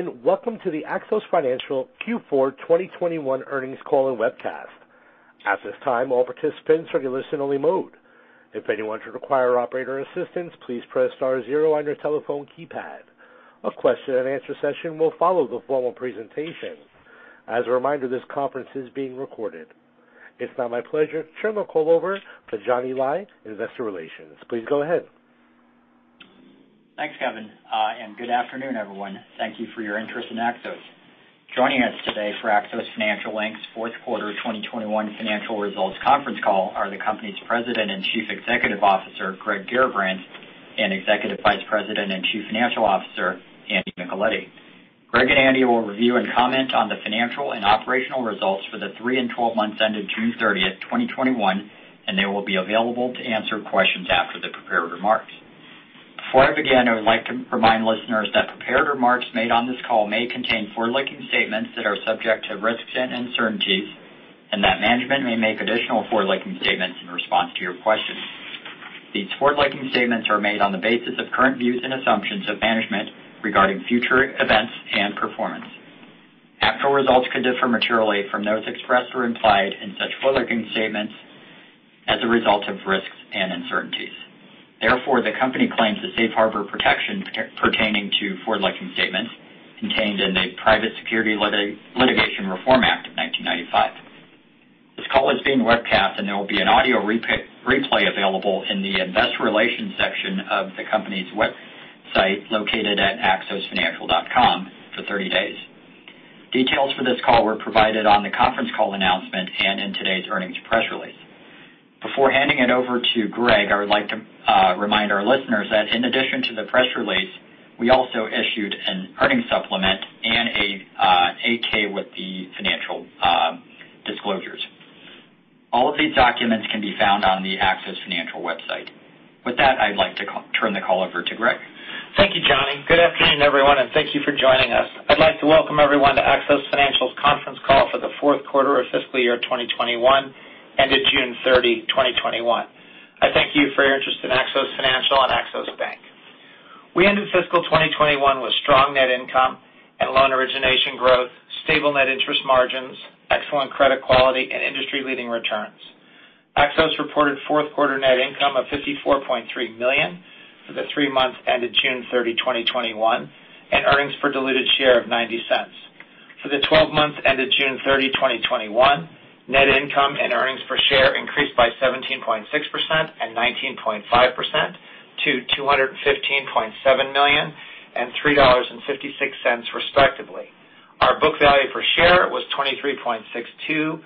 Hello, and welcome to the Axos Financial Q4 2021 earnings call and webcast. As of this time, all participants are on listening mode. If anyone require operator's assistance press star zero on your telephone keypad. A question and answer session will follow the formal presentation. As a reminder this call is being recorded. It's now my pleasure to turn the call over to Johnny Lai, investor relations. Please go ahead. Thanks, Kevin. Good afternoon, everyone. Thank you for your interest in Axos. Joining us today for Axos Financial, Inc.'s fourth quarter 2021 financial results conference call are the company's President and Chief Executive Officer, Gregory Garrabrants, and Executive Vice President and Chief Financial Officer, Andrew Micheletti. Gregory and Andrew will review and comment on the financial and operational results for the three and 12 months ended June 30th, 2021. They will be available to answer questions after the prepared remarks. Before I begin, I would like to remind listeners that prepared remarks made on this call may contain forward-looking statements that are subject to risks and uncertainties. Management may make additional forward-looking statements in response to your questions. These forward-looking statements are made on the basis of current views and assumptions of management regarding future events and performance. Actual results could differ materially from those expressed or implied in such forward-looking statements as a result of risks and uncertainties. Therefore, the company claims the safe harbor protection pertaining to forward-looking statements contained in the Private Securities Litigation Reform Act of 1995. This call is being webcast, and there will be an audio replay available in the investor relations section of the company's website located at axosfinancial.com for 30 days. Details for this call were provided on the conference call announcement and in today's earnings press release. Before handing it over to Greg, I would like to remind our listeners that in addition to the press release, we also issued an earnings supplement and an Form 8-K with the financial disclosures. All of these documents can be found on the Axos Financial website. With that, I'd like to turn the call over to Greg. Thank you, Johnny. Good afternoon, everyone, and thank you for joining us. I'd like to welcome everyone to Axos Financial's conference call for the fourth quarter of fiscal year 2021, ended June 30, 2021. I thank you for your interest in Axos Financial and Axos Bank. We ended fiscal 2021 with strong net income and loan origination growth, stable net interest margins, excellent credit quality, and industry-leading returns. Axos reported fourth quarter net income of $54.3 million for the three months ended June 30, 2021, and earnings per diluted share of $0.90. For the 12 months ended June 30, 2021, net income and earnings per share increased by 17.6% and 19.5% to $215.7 million and $3.56 respectively. Our book value per share was $23.62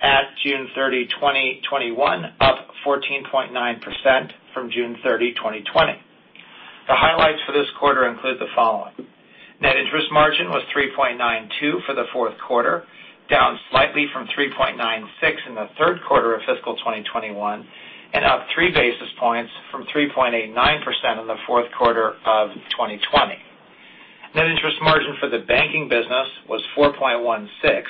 at June 30, 2021, up 14.9% from June 30, 2020. The highlights for this quarter include the following. Net interest margin was 3.92% for the fourth quarter, down slightly from 3.96% in the third quarter of fiscal 2021, and up three basis points from 3.89% in the fourth quarter of 2020. Net interest margin for the banking business was 4.16%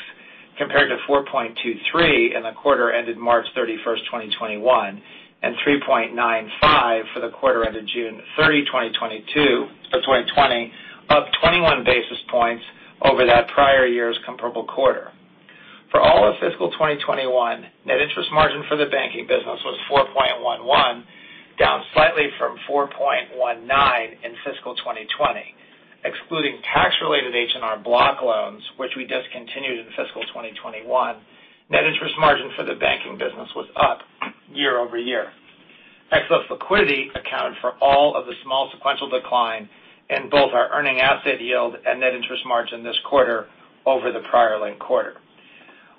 compared to 4.23% in the quarter ended March 31st, 2021, and 3.95% for the quarter ended June 30, 2020, up 21 basis points over that prior year's comparable quarter. For all of fiscal 2021, net interest margin for the banking business was 4.11%, down slightly from 4.19% in fiscal 2020. Excluding tax-related H&R Block loans, which we discontinued in fiscal 2021, net interest margin for the banking business was up year-over-year. Excess liquidity accounted for all of the small sequential decline in both our earning asset yield and net interest margin this quarter over the prior linked quarter.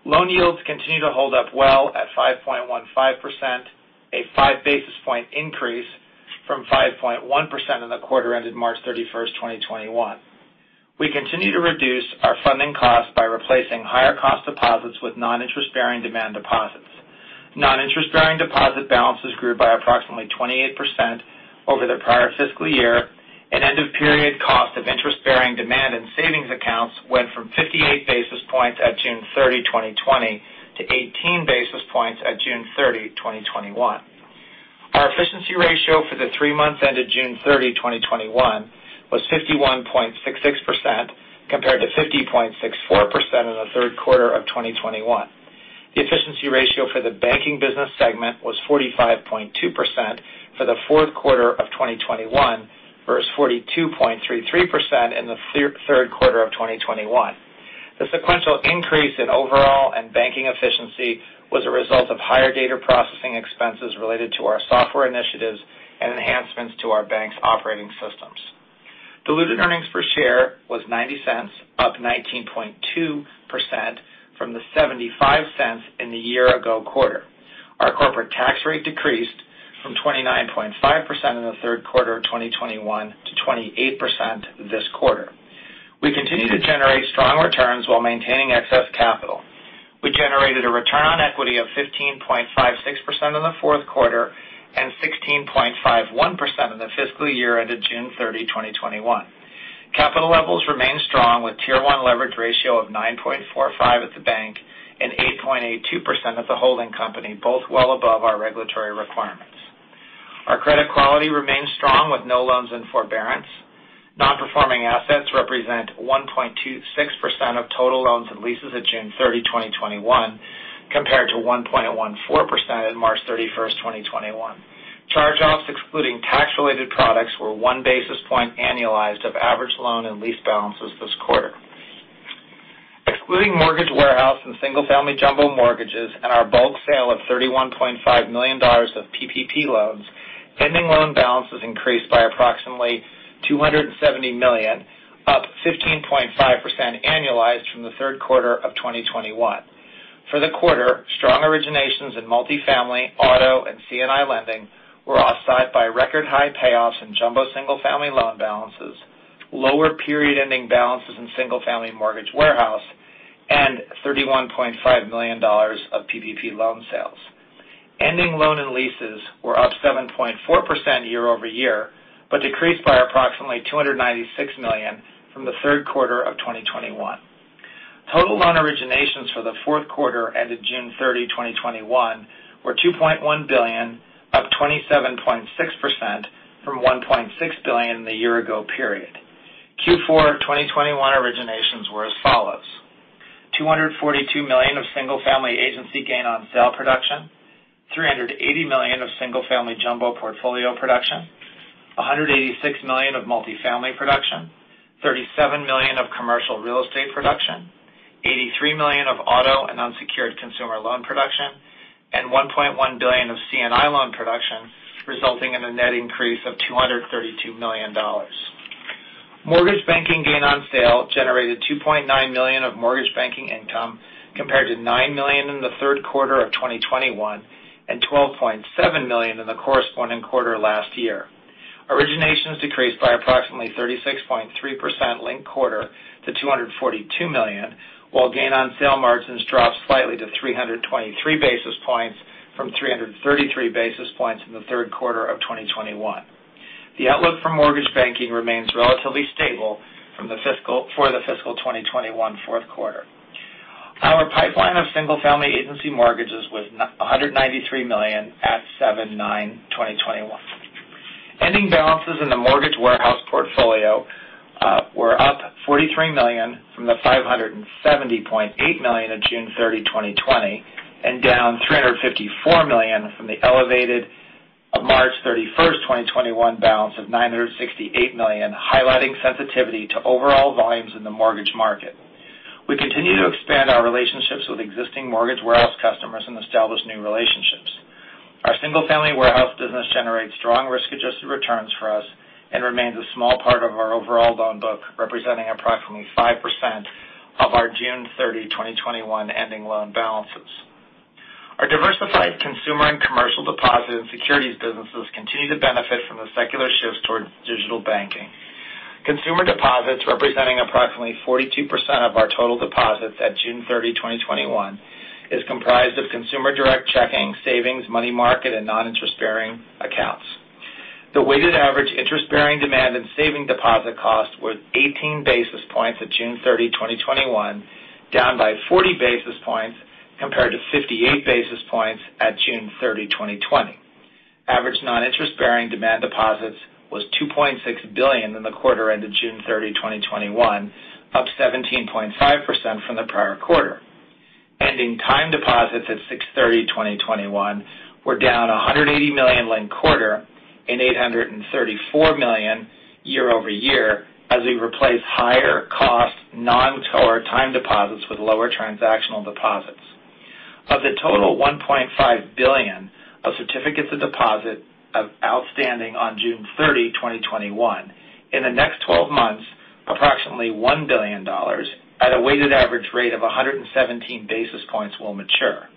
Loan yields continue to hold up well at 5.15%, a five basis point increase from 5.1% in the quarter ended March 31st, 2021. We continue to reduce our funding costs by replacing higher cost deposits with non-interest bearing demand deposits. Non-interest bearing deposit balances grew by approximately 28% over the prior fiscal year and end of period cost of interest bearing demand and savings accounts went from 58 basis points at June 30, 2020 to 18 basis points at June 30, 2021. Our efficiency ratio for the three months ended June 30, 2021 was 51.66%, compared to 50.64% in the third quarter of 2021. The efficiency ratio for the banking business segment was 45.2% for the fourth quarter of 2021 versus 42.33% in the third quarter of 2021. The sequential increase in overall and banking efficiency was a result of higher data processing expenses related to our software initiatives and enhancements to our Bank's operating systems. Diluted earnings per share was $0.90, up 19.2% from the $0.75 in the year ago quarter. Our corporate tax rate decreased from 29.5% in the third quarter of 2021 to 28% this quarter. We continue to generate strong returns while maintaining excess capital. We generated a return on equity of 15.56% in the fourth quarter and 16.51% in the fiscal year ended June 30, 2021. Capital levels remain strong with tier one leverage ratio of 9.58.82% of the holding company, both well above our regulatory requirements. Our credit quality remains strong with no loans in forbearance. Non-performing assets represent 1.26% of total loans and leases at June 30, 2021, compared to 1.14% on March 31st, 2021. Charge-offs, excluding tax-related products, were one basis point annualized of average loan and lease balances this quarter. Excluding mortgage warehouse and single-family jumbo mortgages and our bulk sale of $31.5 million of PPP loans, ending loan balances increased by approximately $270 million, up 15.5% annualized from the third quarter of 2021. For the quarter, strong originations in multifamily, auto, and C&I lending were offset by record high payoffs in jumbo single-family loan balances, lower period ending balances in single-family mortgage warehouse, and $31.5 million of PPP loan sales. Ending loan and leases were up 7.4% year-over-year, but decreased by approximately $296 million from the third quarter of 2021. Total loan originations for the fourth quarter ended June 30, 2021 were $2.1 billion, up 27.6% from $1.6 billion in the year ago period. Q4 2021 originations were as follows: $242 million of single-family agency gain on sale production, $380 million of single-family jumbo portfolio production, $186 million of multifamily production, $37 million of commercial real estate production, $83 million of auto and unsecured consumer loan production, and $1.1 billion of C&I loan production, resulting in a net increase of $232 million. Mortgage banking gain on sale generated $2.9 million of mortgage banking income, compared to $9 million in the third quarter of 2021 and $12.7 million in the corresponding quarter last year. Originations decreased by approximately 36.3% linked quarter to $242 million, while gain-on-sale margins dropped slightly to 323 basis points from 333 basis points in the third quarter of 2021. The outlook for mortgage banking remains relatively stable for the fiscal 2021 fourth quarter. Our pipeline of single family agency mortgages was $193 million at 7/9/2021. Ending balances in the mortgage warehouse portfolio were up $43 million from the $570.8 million at June 30, 2020, and down $354 million from the elevated March 31st, 2021 balance of $968 million, highlighting sensitivity to overall volumes in the mortgage market. We continue to expand our relationships with existing mortgage warehouse customers and establish new relationships. Our single-family warehouse business generates strong risk-adjusted returns for us and remains a small part of our overall loan book, representing approximately 5% of our June 30, 2021, ending loan balances. Our diversified consumer and commercial deposit and securities businesses continue to benefit from the secular shifts towards digital banking. Consumer deposits, representing approximately 42% of our total deposits at June 30, 2021, is comprised of consumer direct checking, savings, money market, and non-interest-bearing accounts. The weighted average interest-bearing demand and saving deposit cost was 18 basis points at June 30, 2021, down by 40 basis points compared to 58 basis points at June 30, 2020. Average non-interest-bearing demand deposits was $2.6 billion in the quarter ended June 30, 2021, up 17.5% from the prior quarter. Ending time deposits at 6/30/2021 were down $180 million linked quarter and $834 million year-over-year, as we replace higher cost non-core time deposits with lower transactional deposits. Of the total $1.5 billion of certificates of deposit outstanding on June 30, 2021, in the next 12 months, approximately $1 billion at a weighted average rate of 117 basis points will mature.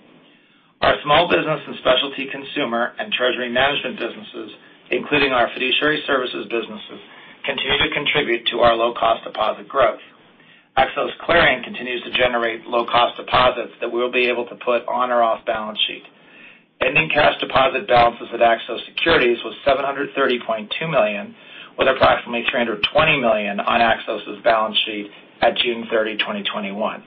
Our small business and specialty consumer and treasury management businesses, including our fiduciary services businesses, continue to contribute to our low-cost deposit growth. Axos Clearing continues to generate low-cost deposits that we'll be able to put on or off balance sheet. Ending cash deposit balances at Axos Securities was $730.2 million, with approximately $320 million on Axos' balance sheet at June 30, 2021.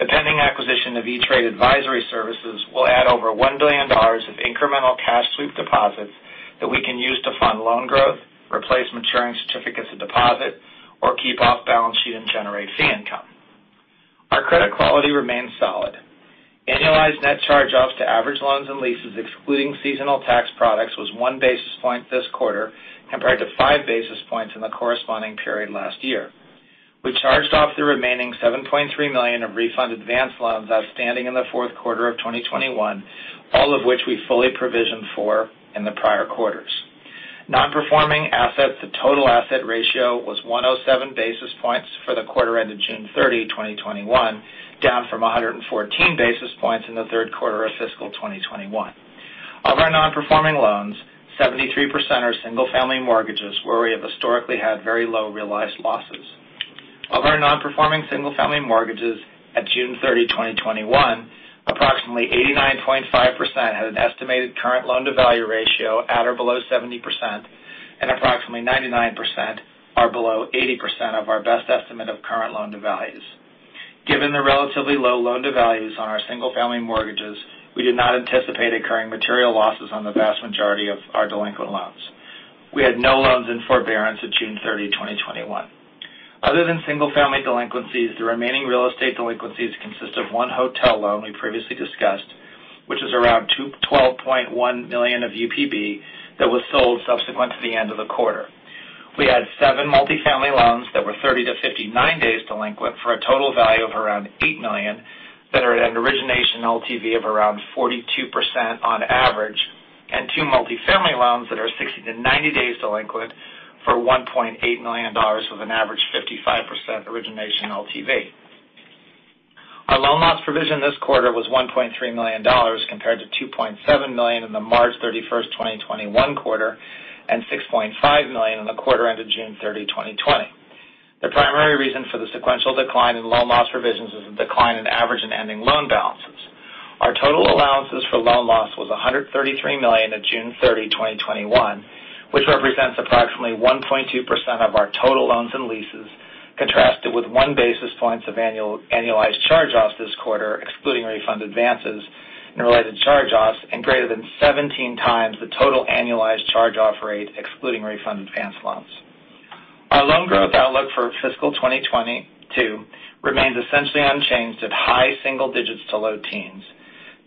The pending acquisition of E*TRADE Advisor Services will add over $1 billion of incremental cash sweep deposits that we can use to fund loan growth, replace maturing certificates of deposit, or keep off balance sheet and generate fee income. Our credit quality remains solid. Annualized net charge-offs to average loans and leases excluding seasonal tax products was one basis point this quarter, compared to five basis points in the corresponding period last year. We charged off the remaining $7.3 million of refund advance loans outstanding in the fourth quarter of 2021, all of which we fully provisioned for in the prior quarters. Non-performing assets to total asset ratio was 107 basis points for the quarter ended June 30, 2021, down from 114 basis points in the third quarter of fiscal 2021. Of our non-performing loans, 73% are single-family mortgages where we have historically had very low realized losses. Of our non-performing single-family mortgages at June 30, 2021, approximately 89.5% had an estimated current loan-to-value ratio at or below 70%. Approximately 99% are below 80% of our best estimate of current loan-to-values. Given the relatively low loan-to-values on our single-family mortgages, we did not anticipate incurring material losses on the vast majority of our delinquent loans. We had no loans in forbearance at June 30, 2021. Other than single-family delinquencies, the remaining real estate delinquencies consist of one hotel loan we previously discussed, which is around $12.1 million of UPB that was sold subsequent to the end of the quarter. We had seven multi-family loans that were 30-59 days delinquent for a total value of around $8 million that are at an origination LTV of around 42% on average, and two multi-family loans that are 60-90 days delinquent for $1.8 million with an average 55% origination LTV. Our loan loss provision this quarter was $1.3 million compared to $2.7 million in the March 31st, 2021 quarter, and $6.5 million in the quarter ended June 30, 2020. The primary reason for the sequential decline in loan loss provisions was a decline in average and ending loan balances. Our total allowances for loan loss was $133 million at June 30, 2021, which represents approximately 1.2% of our total loans and leases, contrasted with one basis point of annualized charge-offs this quarter, excluding refund advances and related charge-offs, and greater than 17 times the total annualized charge-off rate, excluding refund advance loans. Our loan growth outlook for fiscal 2022 remains essentially unchanged at high single digits to low teens.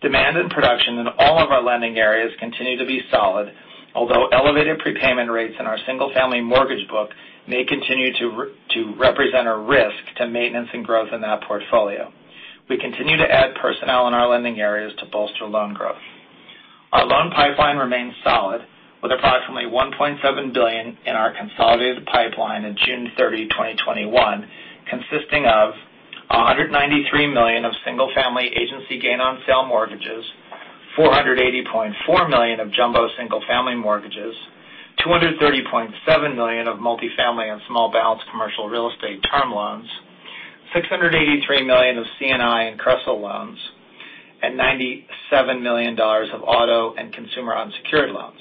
Demand and production in all of our lending areas continue to be solid, although elevated prepayment rates in our single-family mortgage book may continue to represent a risk to maintenance and growth in that portfolio. We continue to add personnel in our lending areas to bolster loan growth. Our loan pipeline remains solid, with approximately $1.7 billion in our consolidated pipeline at June 30, 2021, consisting of $193 million of single-family agency gain on sale mortgages, $480.4 million of jumbo single-family mortgages, $230.7 million of multi-family and small balance commercial real estate term loans, $683 million of C&I and CRESL loans, and $97 million of auto and consumer unsecured loans.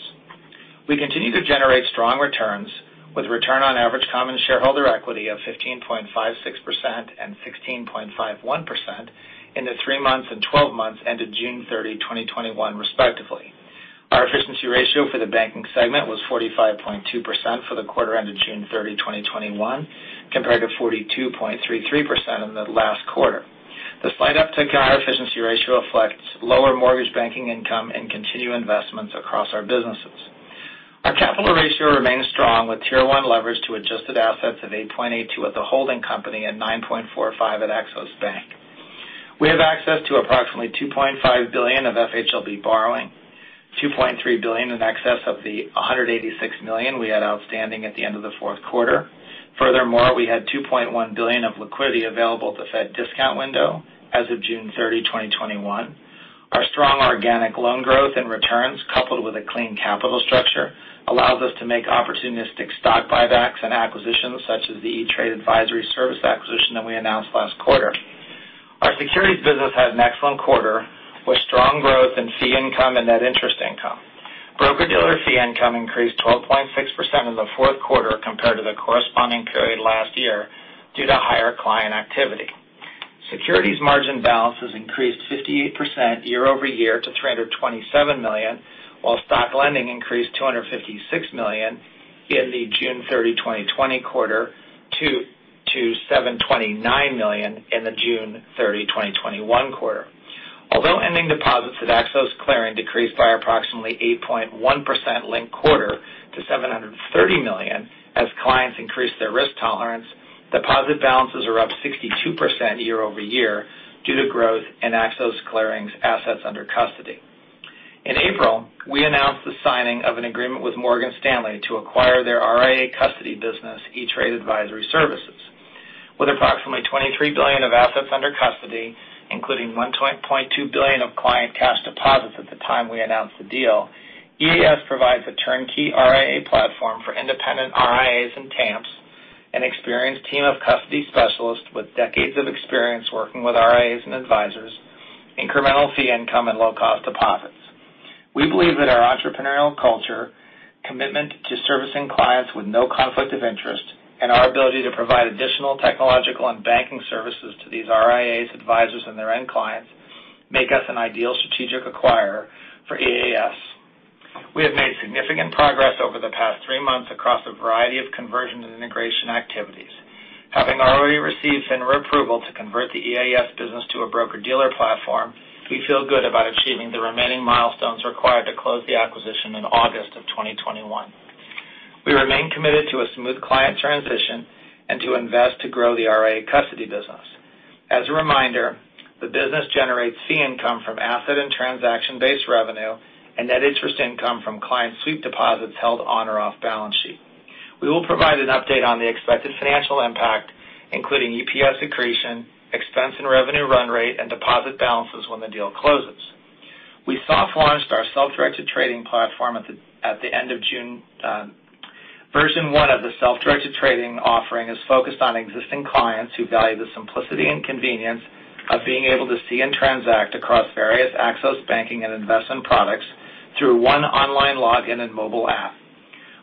We continue to generate strong returns with return on average common shareholder equity of 15.56% and 16.51% in the three months and 12 months ended June 30, 2021, respectively. Our efficiency ratio for the banking segment was 45.2% for the quarter ended June 30, 2021, compared to 42.33% in the last quarter. The slight uptick in our efficiency ratio reflects lower mortgage banking income and continued investments across our businesses. Our capital ratio remains strong with tier one leverage to adjusted assets of 8.82% at the holding company and 9.45% at Axos Bank. We have access to approximately $2.5 billion of FHLB borrowing, $2.3 billion in excess of the $186 million we had outstanding at the end of the fourth quarter. Furthermore, we had $2.1 billion of liquidity available at the Fed discount window as of June 30, 2021. Our strong organic loan growth and returns, coupled with a clean capital structure, allows us to make opportunistic stock buybacks and acquisitions such as the E*TRADE Advisor Services acquisition that we announced last quarter. Our securities business had an excellent quarter, with strong growth in fee income and net interest income. Broker-dealer fee income increased 12.6% in the fourth quarter compared to the corresponding period last year due to higher client activity. Securities margin balances increased 58% year-over-year to $327 million, while stock lending increased $256 million in the June 30, 2020 quarter to $729 million in the June 30, 2021 quarter. Although ending deposits at Axos Clearing decreased by approximately 8.1% linked quarter to $730 million as clients increased their risk tolerance, deposit balances are up 62% year-over-year due to growth in Axos Clearing's assets under custody. In April, we announced the signing of an agreement with Morgan Stanley to acquire their RIA custody business, E*TRADE Advisor Services. With approximately $23 billion of assets under custody, including $1.2 billion of client cash deposits at the time we announced the deal, EAS provides a turnkey RIA platform for independent RIAs and TAMPs, an experienced team of custody specialists with decades of experience working with RIAs and advisors, incremental fee income, and low-cost deposits. We believe that our entrepreneurial culture, commitment to servicing clients with no conflict of interest, and our ability to provide additional technological and banking services to these RIAs, advisors, and their end clients make us an ideal strategic acquirer for EAS. We have made significant progress over the past three months across a variety of conversion and integration activities. Having already received FINRA approval to convert the EAS business to a broker-dealer platform, we feel good about achieving the remaining milestones required to close the acquisition in August of 2021. We remain committed to a smooth client transition and to invest to grow the RIA custody business. As a reminder, the business generates fee income from asset and transaction-based revenue and net interest income from client sweep deposits held on or off balance sheet. We will provide an update on the expected financial impact, including EPS accretion, expense and revenue run rate, and deposit balances when the deal closes. We soft launched our self-directed trading platform at the end of June. Version one of the self-directed trading offering is focused on existing clients who value the simplicity and convenience of being able to see and transact across various Axos Bank and investment products through one online login and mobile app.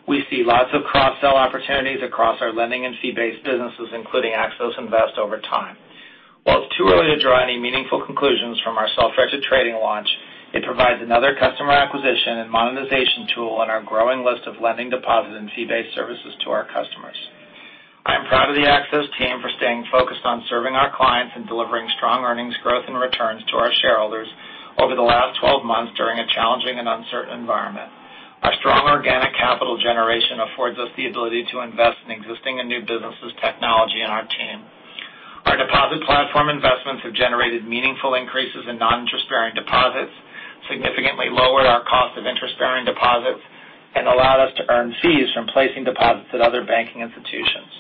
We see lots of cross-sell opportunities across our lending and fee-based businesses, including Axos Invest over time. While it's too early to draw any meaningful conclusions from our self-directed trading launch, it provides another customer acquisition and monetization tool in our growing list of lending deposit and fee-based services to our customers. I am proud of the Axos team for staying focused on serving our clients and delivering strong earnings growth and returns to our shareholders over the last 12 months during a challenging and uncertain environment. Our strong organic capital generation affords us the ability to invest in existing and new businesses, technology, and our team. Our deposit platform investments have generated meaningful increases in non-interest-bearing deposits, significantly lowered our cost of interest-bearing deposits, and allowed us to earn fees from placing deposits at other banking institutions.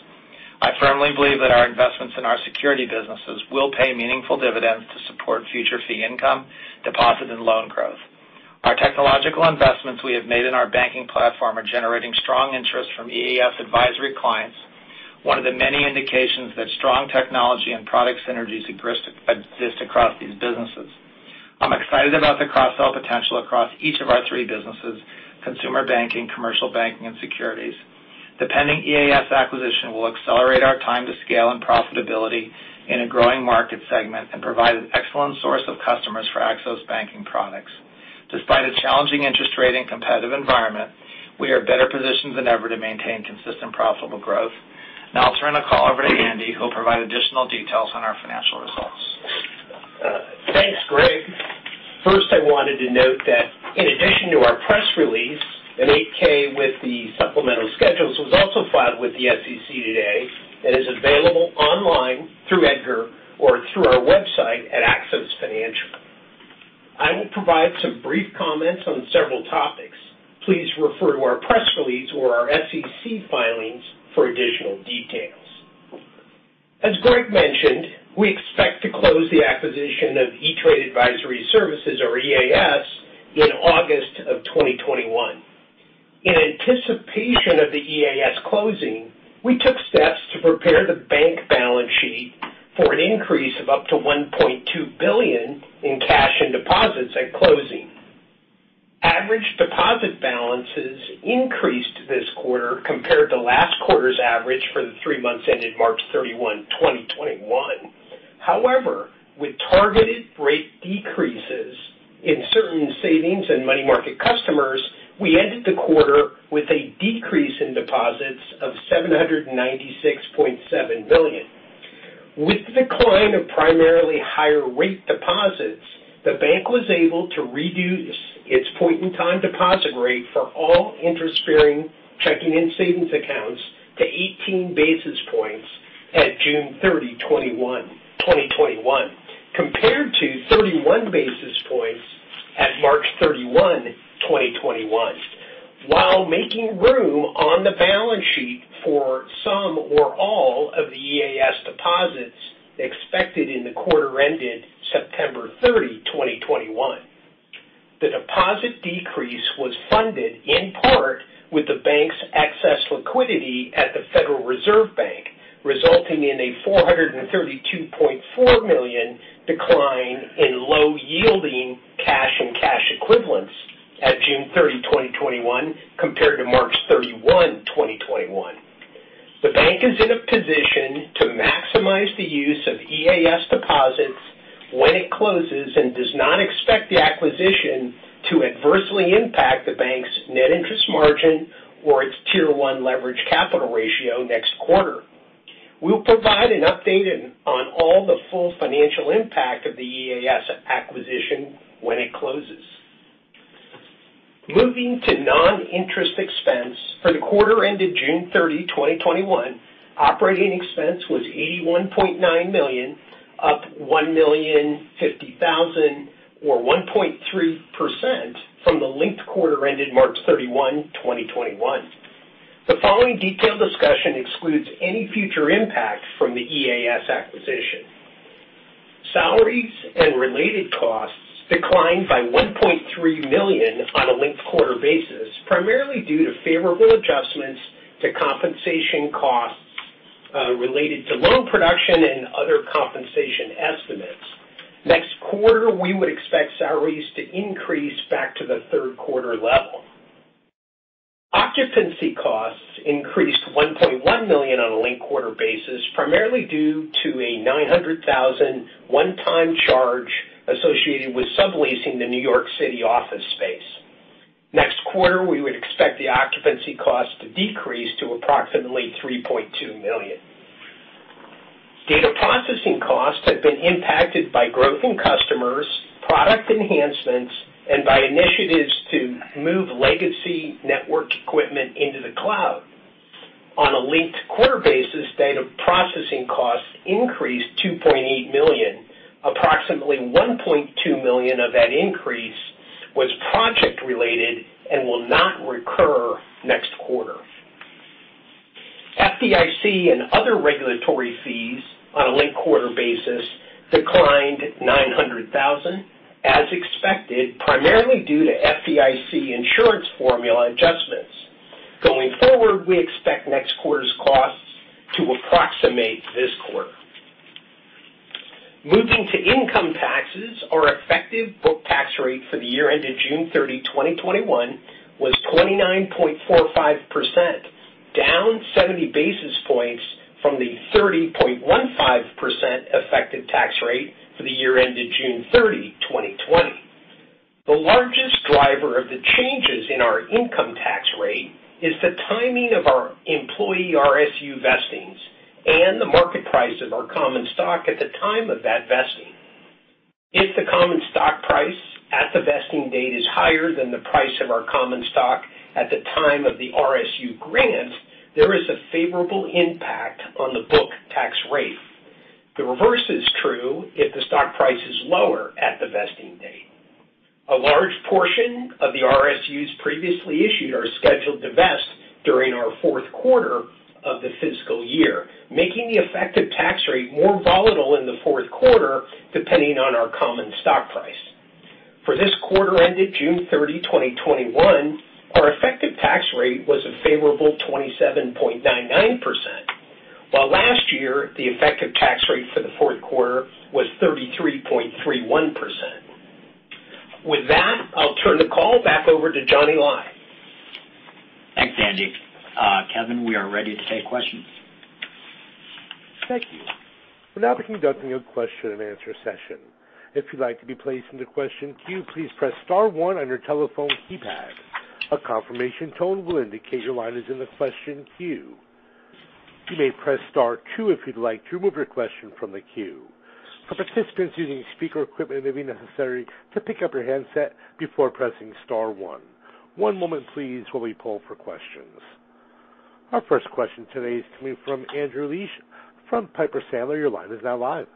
I firmly believe that our investments in our security businesses will pay meaningful dividends to support future fee income, deposit, and loan growth. Our technological investments we have made in our banking platform are generating strong interest from EAS Advisory clients, one of the many indications that strong technology and product synergies exist across these businesses. I'm excited about the cross-sell potential across each of our three businesses, consumer banking, commercial banking, and securities. The pending EAS acquisition will accelerate our time to scale and profitability in a growing market segment and provide an excellent source of customers for Axos banking products. Despite a challenging interest rate and competitive environment, we are better positioned than ever to maintain consistent profitable growth. Now I'll turn the call over to Andy, who'll provide additional details on our financial results. Thanks, Greg. First, I wanted to note that in addition to our press release, an Form 8-K with the supplemental schedules was also filed with the SEC today and is available online through EDGAR or through our website at axosfinancial.com. I will provide some brief comments on several topics. Please refer to our press release or our SEC filings for additional details. As Greg mentioned, we expect to close the acquisition of E*TRADE Advisor Services, or EAS, in August of 2021. In anticipation of the EAS closing, we took steps to prepare the bank balance sheet for an increase of up to $1.2 billion in cash and deposits at closing. Average deposit balances increased this quarter compared to last quarter's average for the three months ended March 31, 2021. However, with targeted rate decreases in certain savings and money market customers, we ended the quarter with a decrease in deposits of $796.7 million. With the decline of primarily higher rate deposits, the bank was able to reduce its point-in-time deposit rate for all interest-bearing checking and savings accounts to 18 basis points at June 30, 2021, compared to 31 basis points at March 31, 2021. While making room on the balance sheet for some or all of the EAS deposits expected in the quarter ended September 30, 2021. The deposit decrease was funded in part with the bank's excess liquidity at the Federal Reserve Bank, resulting in a $432.4 million decline in low-yielding cash and cash equivalents at June 30, 2021, compared to March 31, 2021. The bank is in a position to maximize the use of EAS deposits when it closes and does not expect the acquisition to adversely impact the bank's net interest margin or its tier one leverage capital ratio next quarter. We'll provide an update on all the full financial impact of the EAS acquisition when it closes. Moving to non-interest expense for the quarter ended June 30, 2021, operating expense was $81.9 million, up $1,050,000 or 1.3% from the linked quarter ended March 31, 2021. The following detailed discussion excludes any future impact from the EAS acquisition. Salaries and related costs declined by $1.3 million on a linked-quarter basis, primarily due to favorable adjustments to compensation costs related to loan production and other compensation estimates. Next quarter, we would expect salaries to increase back to the third quarter level. Occupancy costs increased $1.1 million on a linked-quarter basis, primarily due to a $900,000 one-time charge associated with subleasing the New York City office space. Next quarter, we would expect the occupancy cost to decrease to approximately $3.2 million. Data processing costs have been impacted by growth in customers, product enhancements, and by initiatives to move legacy network equipment into the cloud. On a linked-quarter basis, data processing costs increased $2.8 million. Approximately $1.2 million of that increase was project-related and will not recur next quarter. FDIC and other regulatory fees on a linked-quarter basis declined $900,000, as expected, primarily due to FDIC insurance formula adjustments. Going forward, we expect next quarter's costs to approximate this quarter. Moving to income taxes, our effective book tax rate for the year ended June 30, 2021 was 29.45%, down 70 basis points from the 30.15% effective tax rate for the year ended June 30, 2020. The largest driver of the changes in our income tax rate is the timing of our employee RSU vestings and the market price of our common stock at the time of that vesting. If the common stock price at the vesting date is higher than the price of our common stock at the time of the RSU grant, there is a favorable impact on the book tax rate. The reverse is true if the stock price is lower at the vesting date. A large portion of the RSUs previously issued are scheduled to vest during our fourth quarter of the fiscal year, making the effective tax rate more volatile in the fourth quarter, depending on our common stock price. For this quarter ended June 30, 2021, our effective tax rate was a favorable 27.99%, while last year, the effective tax rate for the fourth quarter was 33.31%. With that, I'll turn the call back over to Johnny Lai. Thanks, Andy. Kevin, we are ready to take questions. Thank you. We'll now be conducting a question and answer session. If you'd like to be placed into question queue, please press star one on your telephone keypad. A confirmation tone will indicate your line is in the question queue. You may press star two if you'd like to remove your question from the queue. For participants using speaker equipment, it may be necessary to pick up your handset before pressing star one. One moment please while we poll for questions. Our first question today is coming from Andrew Liesch from Piper Sandler. Your line is now live.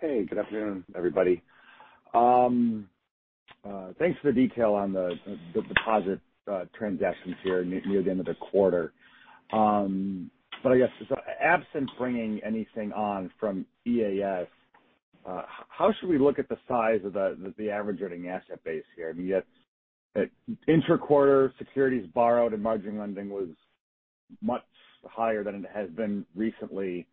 Hey, good afternoon, everybody. Thanks for the detail on the deposit transactions here near the end of the quarter. I guess, absent bringing anything on from EAS, how should we look at the size of the average earning asset base here? I mean, intra-quarter securities borrowed and margin lending was much higher than it has been recently.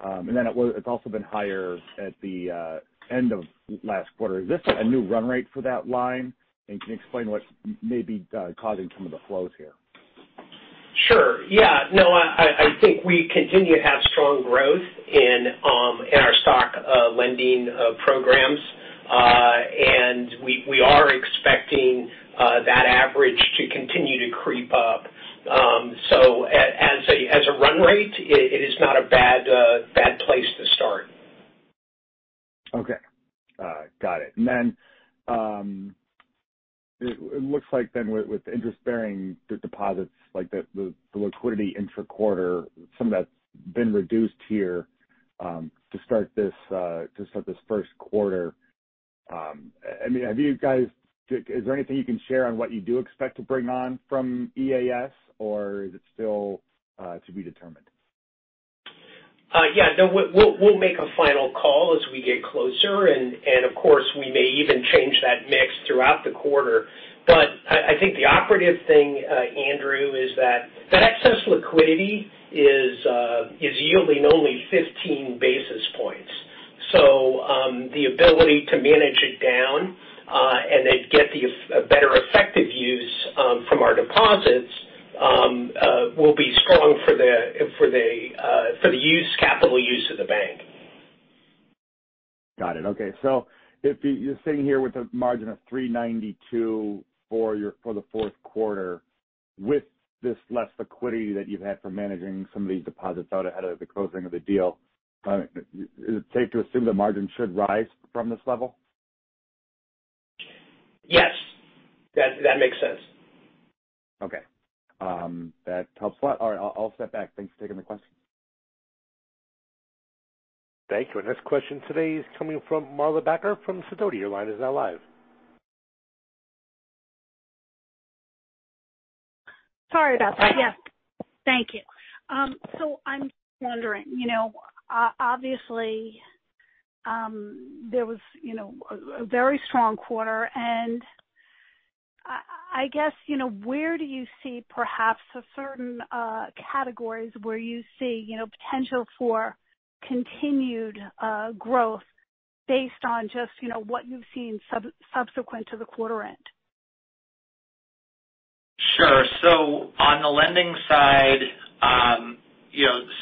Then it's also been higher at the end of last quarter. Is this a new run rate for that line? Can you explain what may be causing some of the flows here? Sure. Yeah. No, I think we continue to have strong growth in our stock lending programs. We are expecting that average to continue to creep up. As a run rate, it is not a bad place to start. Okay. Got it. It looks like with interest-bearing deposits like the liquidity intra-quarter, some of that's been reduced here to start this first quarter. Is there anything you can share on what you do expect to bring on from EAS, or is it still to be determined? Yeah. No, we'll make a final call as we get closer, and of course, we may even change that mix throughout the quarter. I think the operative thing, Andrew, is that that excess liquidity is yielding only 15 basis points. The ability to manage it down, and then get the better effective use from our deposits will be strong for the capital use of the bank. Got it. Okay. If you're sitting here with a margin of 392 for the fourth quarter with this less liquidity that you've had for managing some of these deposits out ahead of the closing of the deal, is it safe to assume the margin should rise from this level? Yes. That makes sense. Okay. That helps a lot. All right. I'll step back. Thanks for taking the question. Thank you. Our next question today is coming from Marla Backer from Sidoti. Your line is now live. Sorry about that. Yes. Thank you. I'm wondering, obviously, there was a very strong quarter, and I guess where do you see perhaps certain categories where you see potential for continued growth based on just what you've seen subsequent to the quarter end? Sure. On the lending side,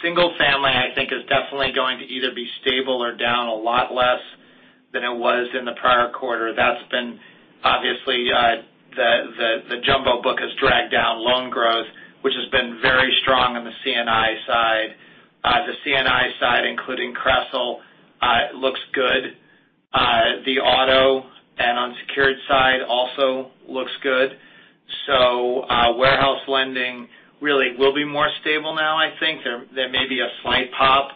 single family I think is definitely going to either be stable or down a lot less than it was in the prior quarter. Obviously, the jumbo book has dragged down loan growth, which has been very strong on the C&I side. The C&I side, including CRESL, looks good. The auto and unsecured side also looks good. Warehouse lending really will be more stable now I think. There may be a slight pop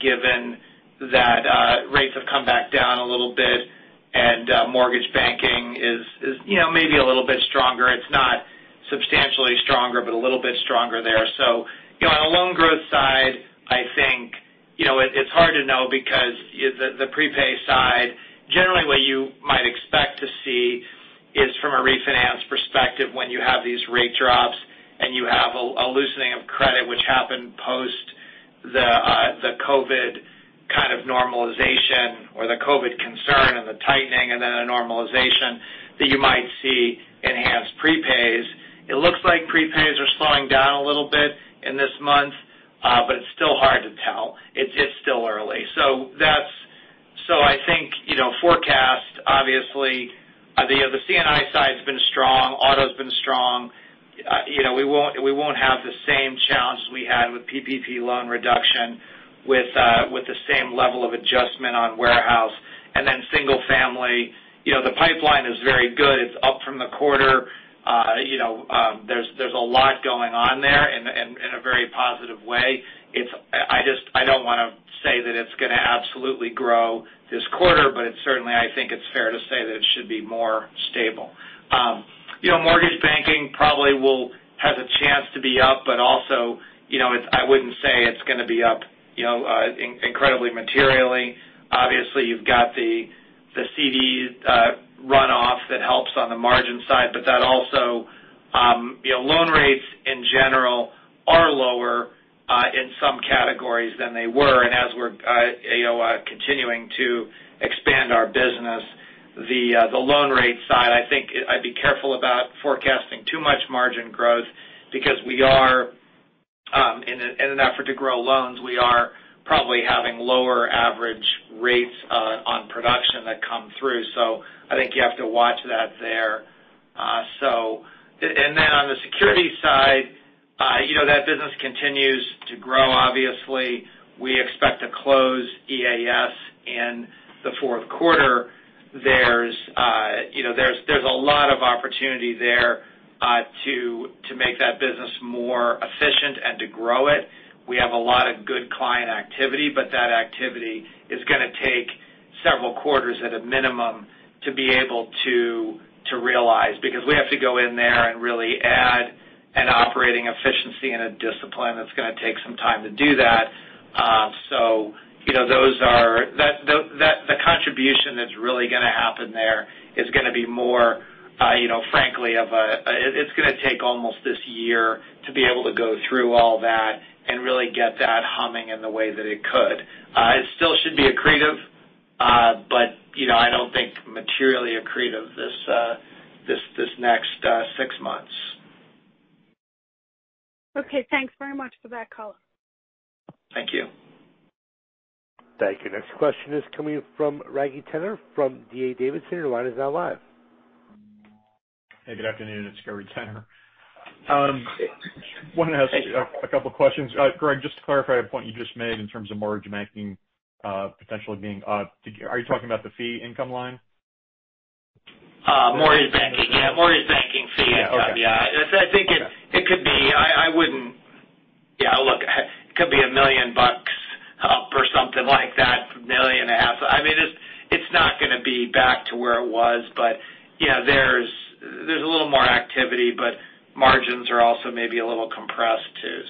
given that rates have come back down a little bit and mortgage banking is maybe a little bit stronger. It's not substantially stronger, but a little bit stronger there. The prepay side, generally what you might expect to see is from a refinance perspective when you have these rate drops and you have a loosening of credit which happened post the COVID kind of normalization or the COVID concern and the tightening and then a normalization that you might see enhanced prepays. It looks like prepays are slowing down a little bit in this month, it's still hard to tell. It's still early. I think forecast, obviously, the C&I side's been strong, auto's been strong. We won't have the same challenges we had with PPP loan reduction with the same level of adjustment on warehouse. Single family, the pipeline is very good. It's up from the quarter. There's a lot going on there in a very positive way. I don't want to say that it's going to absolutely grow this quarter, but certainly I think it's fair to say that it should be more stable. Mortgage banking probably has a chance to be up, but also, I wouldn't say it's going to be up incredibly materially. Obviously, you've got the CD runoff that helps on the margin side. Loan rates in general are lower in some categories than they were. As we're continuing to expand our business, the loan rate side, I think I'd be careful about forecasting too much margin growth because in an effort to grow loans, we are probably having lower average rates on production that come through. I think you have to watch that there. Then on the security side, that business continues to grow. Obviously, we expect to close EAS in the fourth quarter. There's a lot of opportunity there to make that business more efficient and to grow it. We have a lot of good client activity, but that activity is going to take several quarters at a minimum to be able to realize because we have to go in there and really add an operating efficiency and a discipline that's going to take some time to do that. The contribution that's really going to happen there is going to be more, frankly, it's going to take almost this year to be able to go through all that and really get that humming in the way that it could. It still should be accretive but I don't think materially accretive this next six months. Okay. Thanks very much for that color. Thank you. Thank you. Next question is coming from Gary Tenner from D.A. Davidson. Your line is now live. Hey, good afternoon. It's Gary Tenner. Wanted to ask a couple of questions. Greg, just to clarify a point you just made in terms of mortgage banking, are you talking about the fee income line? Mortgage banking. Yeah. Mortgage banking fee income. Yeah. Okay. I think it could be. It could be $1 million up or something like that, $1.5 million. It's not going to be back to where it was. There's a little more activity but margins are also maybe a little compressed too.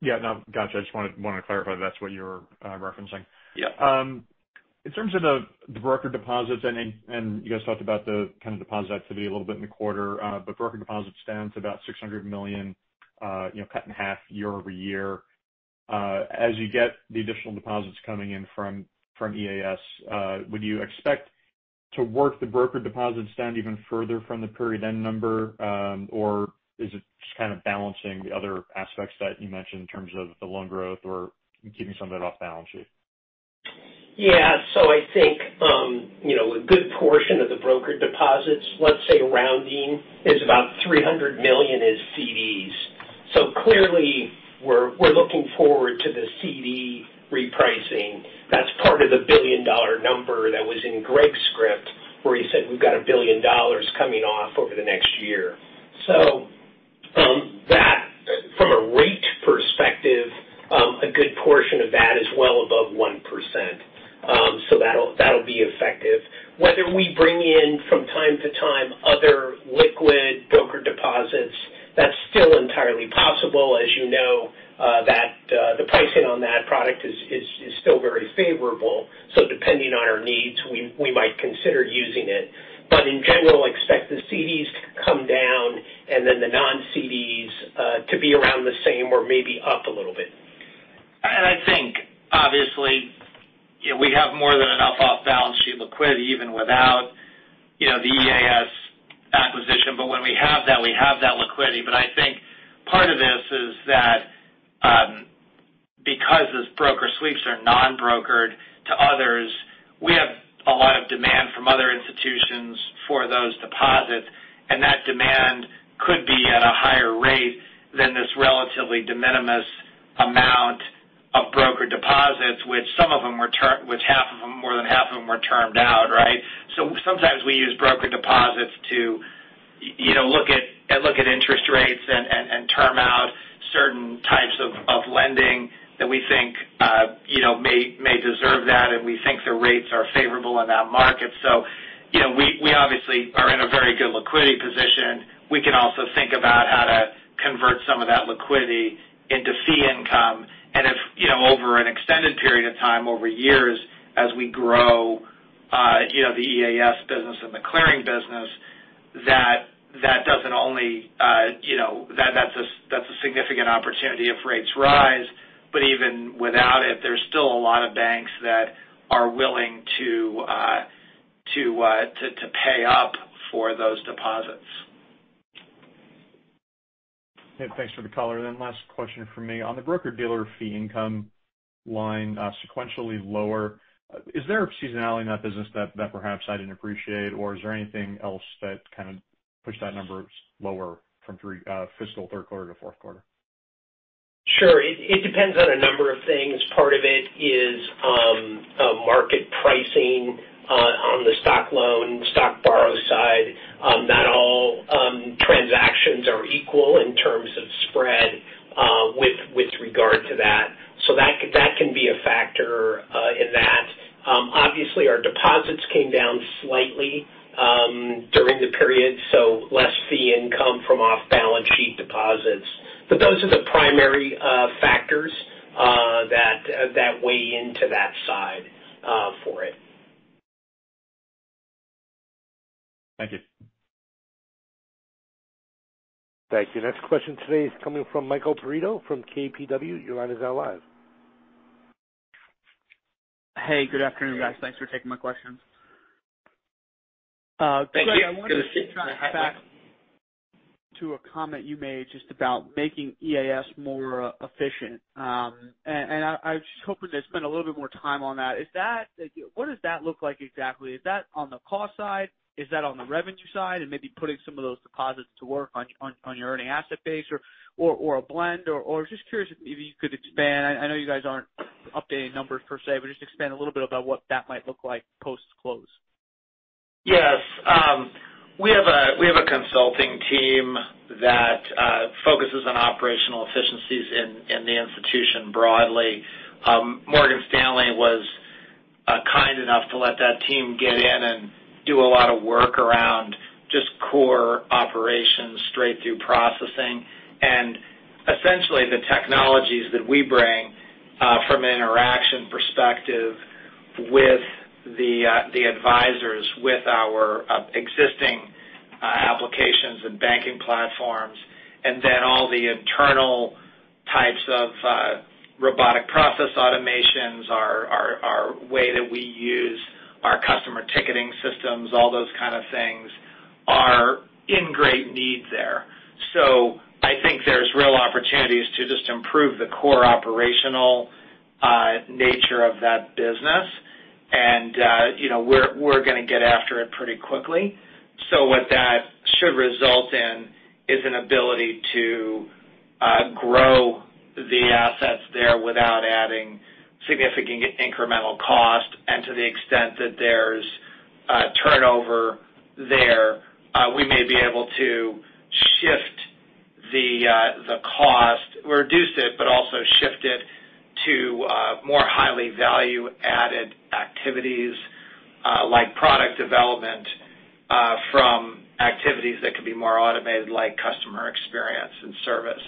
Yeah. No. Gotcha. I just wanted to clarify that's what you were referencing. Yeah. In terms of the broker deposits, you guys talked about the kind of deposit activity a little bit in the quarter. Broker deposits down to about $600 million, cut in half year-over-year. As you get the additional deposits coming in from EAS, would you expect to work the broker deposits down even further from the period end number? Is it just kind of balancing the other aspects that you mentioned in terms of the loan growth or keeping some of that off balance sheet? I think a good portion of the broker deposits, let's say rounding, is about $300 million is CDs. Clearly we're looking forward to the CD repricing. That's part of the $1 billion number that was in Greg's script where he said we've got $1 billion coming off over the next year. From a rate perspective, a good portion of that is well above 1%. That'll be effective. Whether we bring in from time to time other liquid broker deposits, that's still entirely possible as you know that the pricing on that product is still very favorable. Depending on our needs, we might consider using it. In general, expect the CDs to come down and then the non-CDs to be around the same or maybe up a little bit. I think obviously we have more than enough off-balance sheet liquidity even without the EAS acquisition. When we have that, we have that liquidity. I think part of this is that because those broker sweeps are non-brokered to others, we have a lot of demand from other institutions for those deposits and that demand could be at a higher rate than this relatively de minimis amount of broker deposits which more than half of them were termed out, right? Sometimes we use broker deposits to look at interest rates and term out certain types of lending that we think may deserve that and we think the rates are favorable in that market. We obviously are in a very good liquidity position. We can also think about how to convert some of that liquidity into fee income. If over an extended period of time, over years, as we grow the EAS business and the clearing business, that's a significant opportunity if rates rise. Even without it, there's still a lot of banks that are willing to pay up for those deposits. Okay. Thanks for the color. Last question from me. On the broker-dealer fee income line, sequentially lower, is there a seasonality in that business that perhaps I didn't appreciate, or is there anything else that kind of pushed that number lower from fiscal third quarter to fourth quarter? Sure. It depends on a number of things. Part of it is market pricing on the stock loan, stock borrow side. Not all transactions are equal in terms of spread with regard to that. That can be a factor in that. Obviously, our deposits came down slightly during the period, so less fee income from off-balance sheet deposits. Those are the primary factors that weigh into that side for it. Thank you. Thank you. Next question today is coming from Michael Perito from KBW. Your line is now live. Hey, good afternoon, guys. Thanks for taking my questions. Thank you. I wanted to try and get back to a comment you made just about making EAS more efficient. I was just hoping to spend a little bit more time on that. What does that look like exactly? Is that on the cost side? Is that on the revenue side and maybe putting some of those deposits to work on your earning asset base or a blend, or just curious if you could expand. I know you guys aren't updating numbers per se, but just expand a little bit about what that might look like post-close. Yes. We have a consulting team that focuses on operational efficiencies in the institution broadly. Morgan Stanley was kind enough to let that team get in and do a lot of work around just core operations straight through processing. Essentially, the technologies that we bring from an interaction perspective with the advisors, with our existing applications and banking platforms, and then all the internal types of robotic process automations, our way that we use our customer ticketing systems, all those kind of things are in great need there. I think there's real opportunities to just improve the core operational nature of that business. We're going to get after it pretty quickly. What that should result in is an ability to grow the assets there without adding significant incremental cost. To the extent that there's turnover there, we may be able to shift the cost, reduce it, but also shift it to more highly value-added activities like product development from activities that could be more automated, like customer experience and service.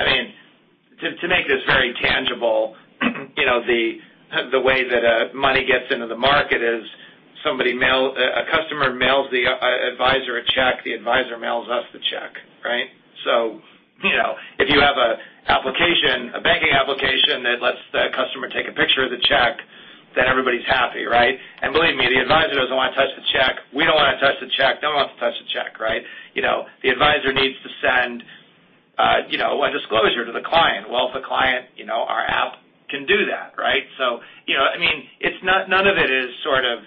To make this very tangible, the way that money gets into the market is a customer mails the advisor a check, the advisor mails us the check. Right? If you have a banking application that lets the customer take a picture of the check, then everybody's happy, right? Believe me, the advisor doesn't want to touch the check. We don't want to touch the check. No one wants to touch the check, right? The advisor needs to send a disclosure to the client. Well, the client, our app can do that. Right? None of it is sort of,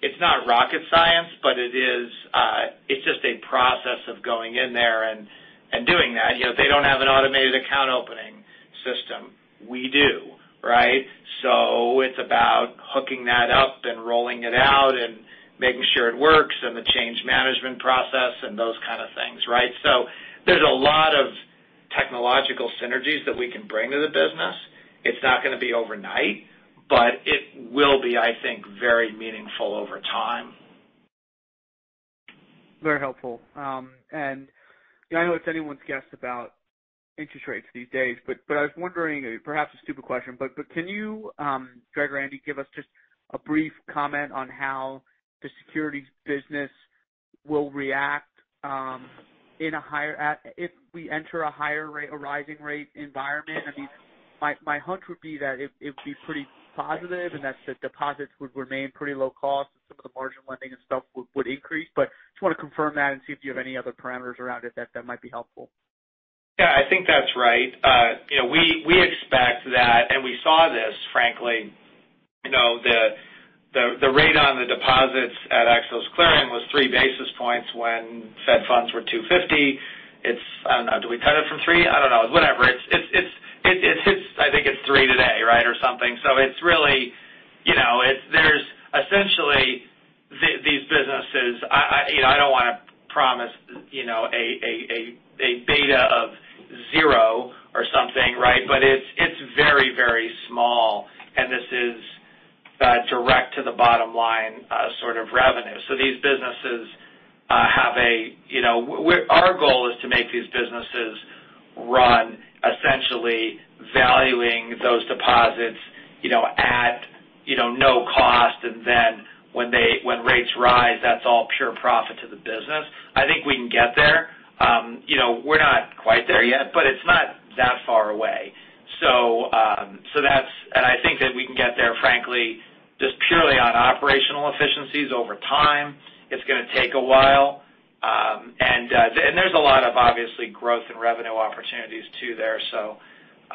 it's not rocket science, but it's just a process of going in there and doing that. They don't have an automated account opening system. We do. Right? It's about hooking that up and rolling it out and making sure it works and the change management process and those kind of things, right? There's a lot of technological synergies that we can bring to the business. It's not going to be overnight, but it will be, I think, very meaningful over time. Very helpful. I know it's anyone's guess about interest rates these days, I was wondering, perhaps a stupid question, can you, Greg or Andy, give us just a brief comment on how the securities business will react if we enter a higher rate, a rising rate environment. My hunch would be that it would be pretty positive and that the deposits would remain pretty low cost and some of the margin lending and stuff would increase. I just want to confirm that and see if you have any other parameters around it that might be helpful. Yeah, I think that's right. We expect that, and we saw this, frankly, the rate on the deposits at Axos Clearing was three basis points when Fed funds were 250 basis points. It's, I don't know, do we cut it from three? I don't know. Whatever. I think it's three today, right? Or something. I don't want to promise a beta of zero or something, right? Our goal is to make these businesses run essentially valuing those deposits at no cost. When rates rise, that's all pure profit to the business. I think we can get there. We're not quite there yet, but it's not that far away. I think that we can get there, frankly, just purely on operational efficiencies over time. It's going to take a while. There's a lot of, obviously, growth and revenue opportunities too there.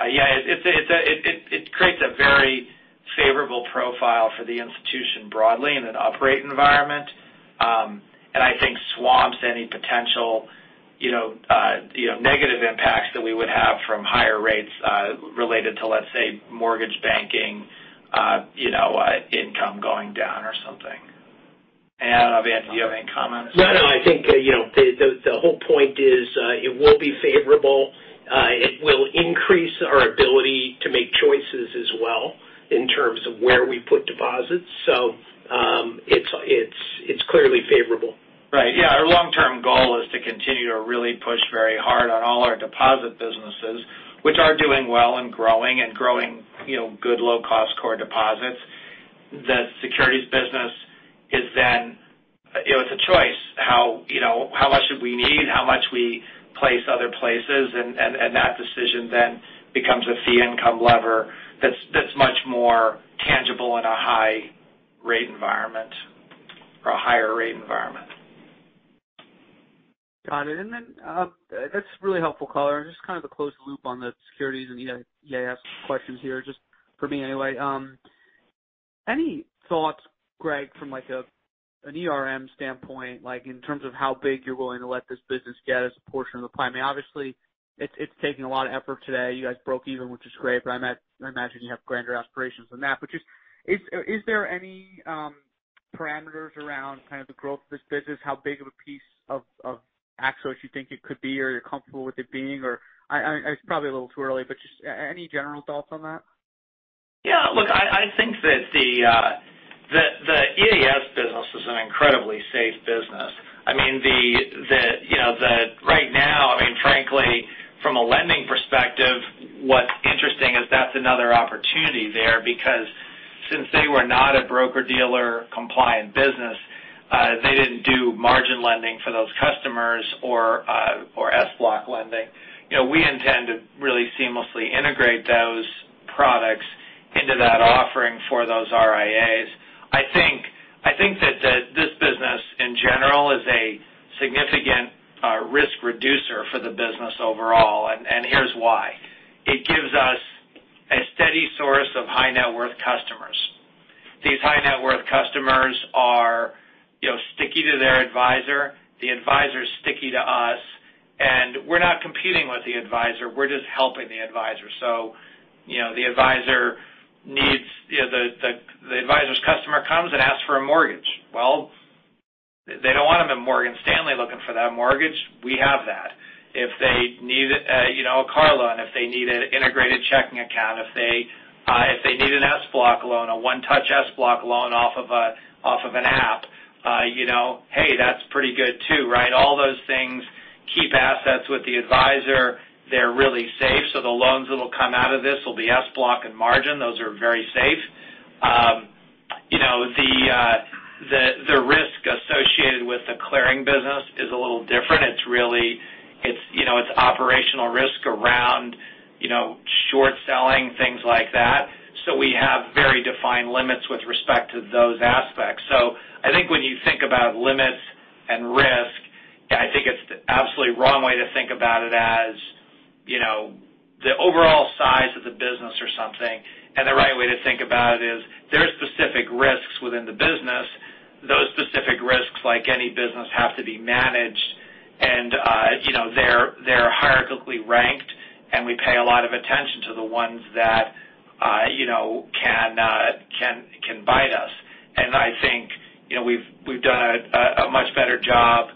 Yeah, it creates a very favorable profile for the institution broadly in an uprate environment. I think swamps any potential negative impacts that we would have from higher rates related to, let's say, mortgage banking income going down or something. Andy, do you have any comment as well? I think the whole point is it will be favorable. It will increase our ability to make choices as well in terms of where we put deposits. It's clearly favorable. Right. Yeah. Our long-term goal is to continue to really push very hard on all our deposit businesses, which are doing well and growing, and growing good low-cost core deposits. The securities business is then, it's a choice. How much should we need? How much we place other places? That decision then becomes a fee income lever that's much more tangible in a high rate environment or a higher rate environment. Got it. That's really helpful color. Just kind of to close the loop on the securities and the EAS questions here, just for me anyway. Any thoughts, Greg, from like an ERM standpoint, like in terms of how big you're willing to let this business get as a portion of the pie? I mean, obviously it's taking a lot of effort today. You guys broke even, which is great, but I imagine you have grander aspirations than that. Just, is there any parameters around kind of the growth of this business? How big of a piece of Axos you think it could be or you're comfortable with it being? It's probably a little too early, but just any general thoughts on that? Yeah. Look, I think that the EAS business is an incredibly safe business. I mean, right now, I mean, frankly, from a lending perspective, what's interesting is that's another opportunity there because since they were not a broker-dealer compliant business, they didn't do margin lending for those customers or SBLOC lending. We intend to really seamlessly integrate those products into that offering for those RIAs. I think that this business in general is a significant risk reducer for the business overall, and here's why. It gives us a steady source of high net worth customers. These high net worth customers are sticky to their advisor. The advisor's sticky to us, and we're not competing with the advisor. We're just helping the advisor. The advisor's customer comes and asks for a mortgage. Well, they don't want them in Morgan Stanley looking for that mortgage. We have that. If they need a car loan, if they need an integrated checking account, if they need an SBLOC loan, a one-touch SBLOC loan off of an app, hey, that's pretty good too, right? All those things keep assets with the advisor. They're really safe. The loans that'll come out of this will be SBLOC and margin. Those are very safe. The risk associated with the clearing business is a little different. It's operational risk around short selling, things like that. We have very defined limits with respect to those aspects. I think when you think about limits and risk, I think it's the absolutely wrong way to think about it as the overall size of the business or something. The right way to think about it is there are specific risks within the business. Those specific risks, like any business, have to be managed. They're hierarchically ranked, and we pay a lot of attention to the ones that can bite us. I think we've done a much better job.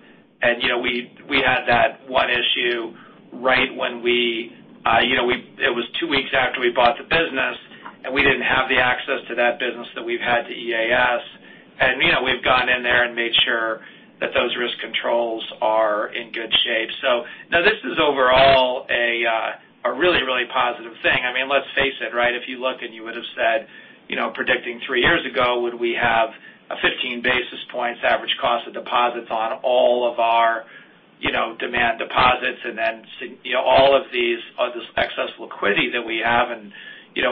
We had that one issue right when it was two weeks after we bought the business, and we didn't have the access to that business that we've had to EAS. We've gone in there and made sure that those risk controls are in good shape. No, this is overall a really positive thing. I mean, let's face it, right? If you looked and you would've said, predicting three years ago, would we have a 15 basis points average cost of deposits on all of our demand deposits and then all of this excess liquidity that we have, and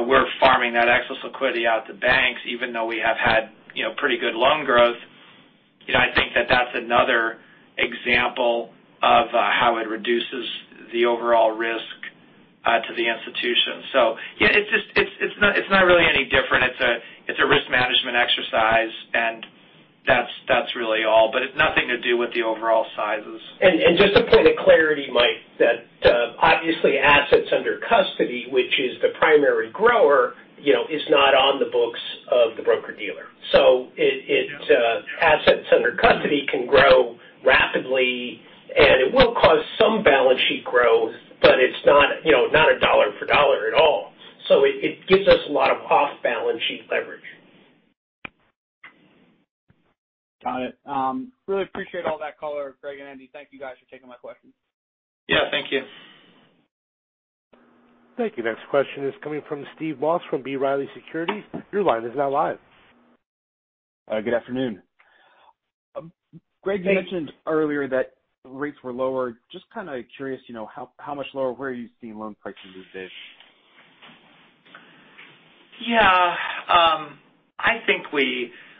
we're farming that excess liquidity out to banks even though we have had pretty good loan growth. I think that that's another example of how it reduces the overall risk to the institution. Yeah, it's not really any different. It's a risk management exercise and that's really all. It's nothing to do with the overall sizes. Just a point of clarity, Mike, that obviously assets under custody, which is the primary grower is not on the books of the broker-dealer. Assets under custody can grow rapidly and it will cause some balance sheet growth, but it's not. It gives us a lot of cost balance sheet leverage. Got it. Really appreciate all that color, Greg and Andy. Thank you guys for taking my questions. Yeah, thank you. Thank you. Next question is coming from Derrick Walsh from B. Riley Securities. Your line is now live. Good afternoon. Hey. Greg, you mentioned earlier that rates were lower. Just kind of curious, how much lower? Where are you seeing loan prices these days?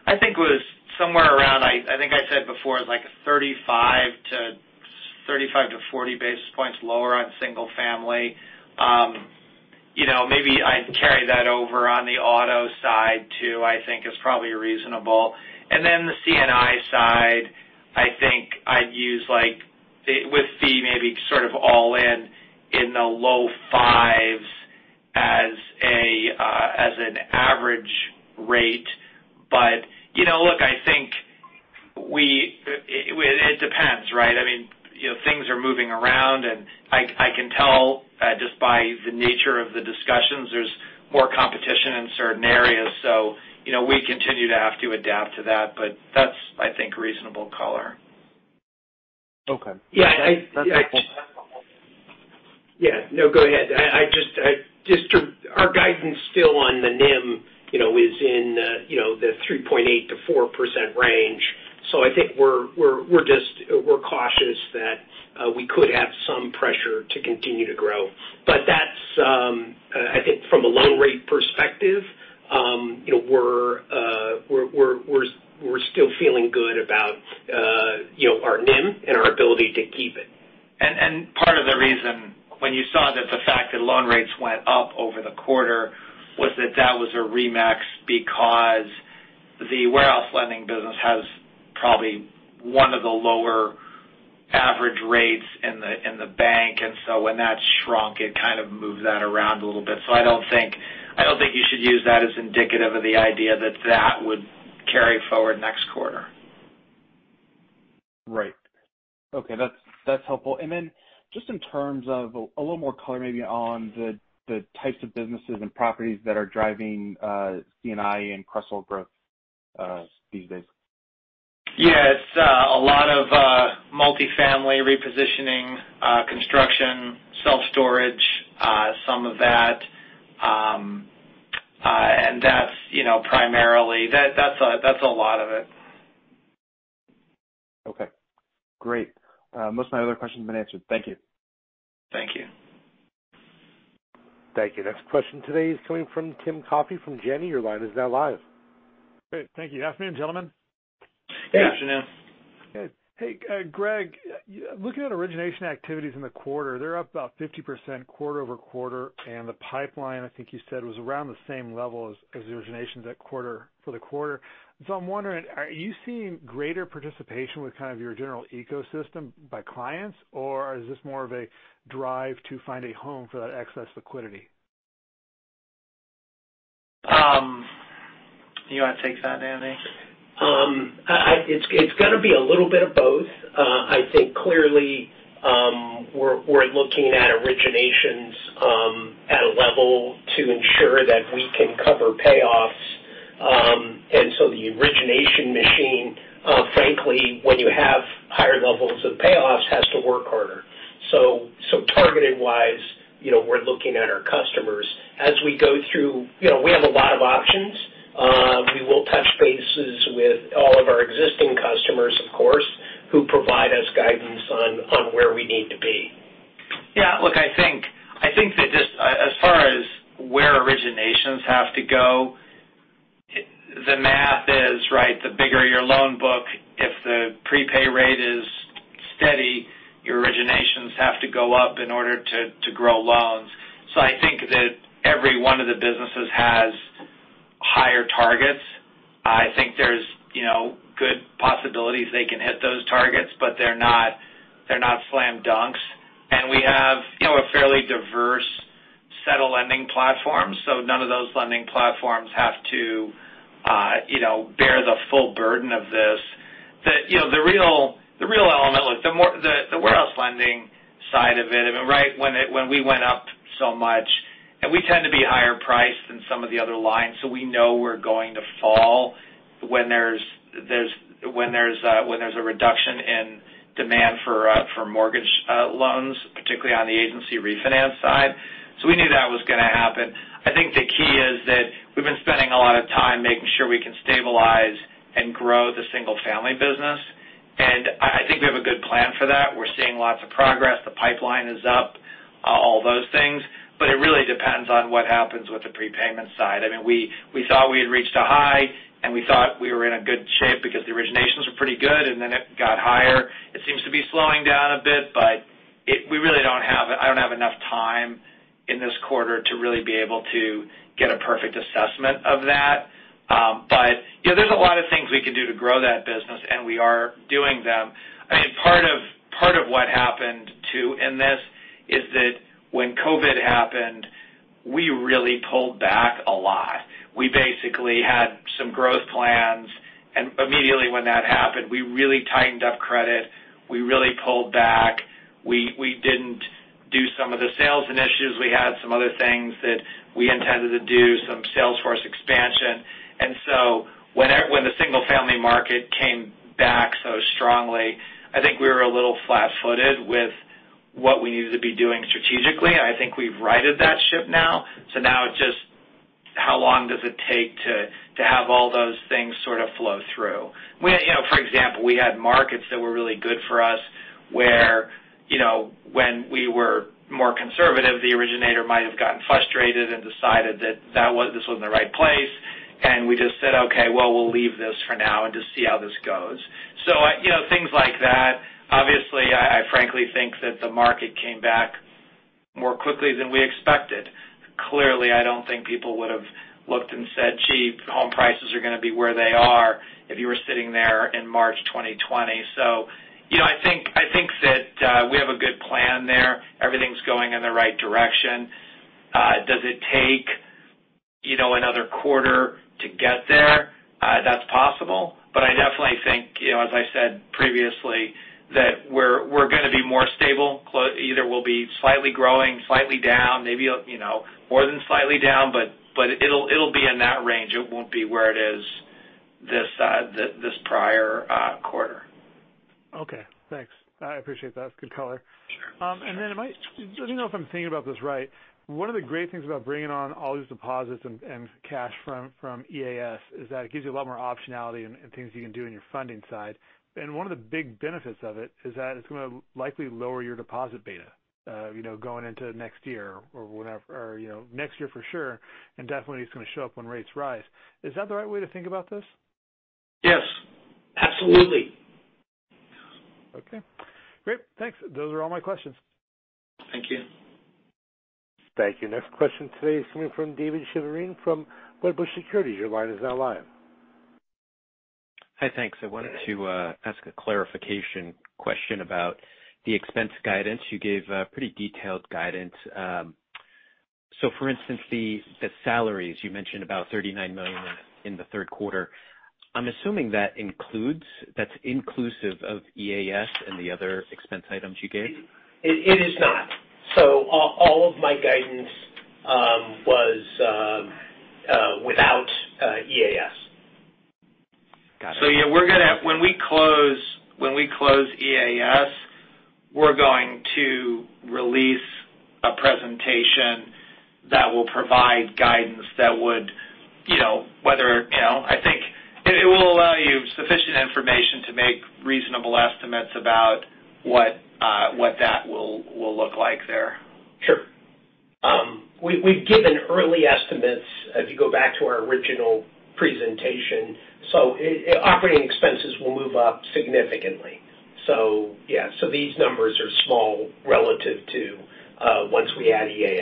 I think it was somewhere around, I think I said before, 35-40 basis points lower on single family. Maybe I'd carry that over on the auto side too, I think is probably reasonable. The C&I side, I think I'd use like, with fee maybe sort of all in the low fives as an average rate. Look, I think it depends, right? Things are moving around, and I can tell just by the nature of the discussions, there's more competition in certain areas. We continue to have to adapt to that, but that's, I think, reasonable color. Okay. Yeah. That's helpful. Yeah. No, go ahead. Our guidance still on the NIM is in the 3.8%-4% range. I think we're cautious that we could have some pressure to continue to grow. I think from a loan rate perspective, we're still feeling good about our NIM and our ability to keep it. Part of the reason when you saw that the fact that loan rates went up over the quarter was that that was a remix because the warehouse lending business has probably one of the lower average rates in the bank. When that shrunk, it kind of moved that around a little bit. I don't think you should use that as indicative of the idea that that would carry forward next quarter. Right. Okay, that's helpful. Just in terms of a little more color maybe on the types of businesses and properties that are driving C&I and CRESL growth these days. Yeah. It's a lot of multifamily repositioning, construction, self-storage, some of that. That's primarily a lot of it. Okay, great. Most of my other questions have been answered. Thank you. Thank you. Thank you. Next question today is coming from Tim Coffey from Janney. Your line is now live. Great, thank you. Afternoon, gentlemen. Good afternoon. Yeah. Hey, Greg. Looking at origination activities in the quarter, they're up about 50% quarter-over-quarter, and the pipeline, I think you said, was around the same level as the originations for the quarter. I'm wondering, are you seeing greater participation with kind of your general ecosystem by clients, or is this more of a drive to find a home for that excess liquidity? You want to take that, Andy? It's going to be a little bit of both. I think clearly, we're looking at originations at a level to ensure that we can cover payoffs. The origination machine, frankly, when you have higher levels of payoffs, has to work harder. Targeted-wise, we're looking at our customers. As we go through, we have a lot of options. We will touch bases with all of our existing customers, of course, who provide us guidance on where we need to be. Yeah, look, I think that just as far as where originations have to go, the math is, right, the bigger your loan book, if the prepay rate is steady, your originations have to go up in order to grow loans. I think that every one of the businesses has higher targets. I think there's good possibilities they can hit those targets, but they're not slam dunks. We have a fairly diverse set of lending platforms, so none of those lending platforms have to bear the full burden of this. The real element was the warehouse lending side of it. When we went up so much, and we tend to be higher priced than some of the other lines, so we know we're going to fall when there's a reduction in demand for mortgage loans, particularly on the agency refinance side. We knew that was going to happen. I think the key is that we've been spending a lot of time making sure we can stabilize and grow the single-family business, and I think we have a good plan for that. We're seeing lots of progress. The pipeline is up, all those things. It really depends on what happens with the prepayment side. We thought we had reached a high, and we thought we were in a good shape because the originations were pretty good, and then it got higher. It seems to be slowing down a bit, but I don't have enough time in this quarter to really be able to get a perfect assessment of that. There's a lot of things we can do to grow that business, and we are doing them. Part of what happened, too, in this is that when COVID happened, we really pulled back a lot. We basically had some growth plans, and immediately when that happened, we really tightened up credit. We really pulled back. We didn't do some of the sales initiatives. We had some other things that we intended to do, some sales force expansion. When the single-family market came back so strongly, I think we were a little flat-footed with what we needed to be doing strategically. I think we've righted that ship now. Now it's just how long does it take to have all those things sort of flow through? For example, we had markets that were really good for us where when we were more conservative, the originator might have gotten frustrated and decided that this wasn't the right place. We just said, "Okay, well, we'll leave this for now and just see how this goes." Things like that. Obviously, I frankly think that the market came back more quickly than we expected. Clearly, I don't think people would have looked and said, "Gee, home prices are going to be where they are," if you were sitting there in March 2020. I think that we have a good plan there. Everything's going in the right direction. Does it take another quarter to get there? That's possible. I definitely think, as I said previously, that we're going to be more stable. Either we'll be slightly growing, slightly down, maybe more than slightly down, but it'll be in that range. It won't be where it is this prior quarter. Okay, thanks. I appreciate that. That's good color. Sure. I don't know if I'm thinking about this right. One of the great things about bringing on all these deposits and cash from EAS is that it gives you a lot more optionality and things you can do on your funding side. One of the big benefits of it is that it's going to likely lower your deposit beta going into next year or whenever. Next year for sure, and definitely it's going to show up when rates rise. Is that the right way to think about this? Yes, absolutely. Okay, great. Thanks. Those are all my questions. Thank you. Thank you. Next question today is coming from David Feaster from Wedbush Securities. Your line is now live. Hi, thanks. I wanted to ask a clarification question about the expense guidance. You gave a pretty detailed guidance. For instance, the salaries, you mentioned about $39 million in the third quarter. I'm assuming that's inclusive of EAS and the other expense items you gave. It is not. All of my guidance was without EAS. Got it. When we close EAS, we're going to release a presentation that will provide guidance. It will allow you sufficient information to make reasonable estimates about what that will look like there. Sure. We've given early estimates, if you go back to our original presentation. Operating expenses will move up significantly. Yeah. These numbers are small relative to once we add EAS.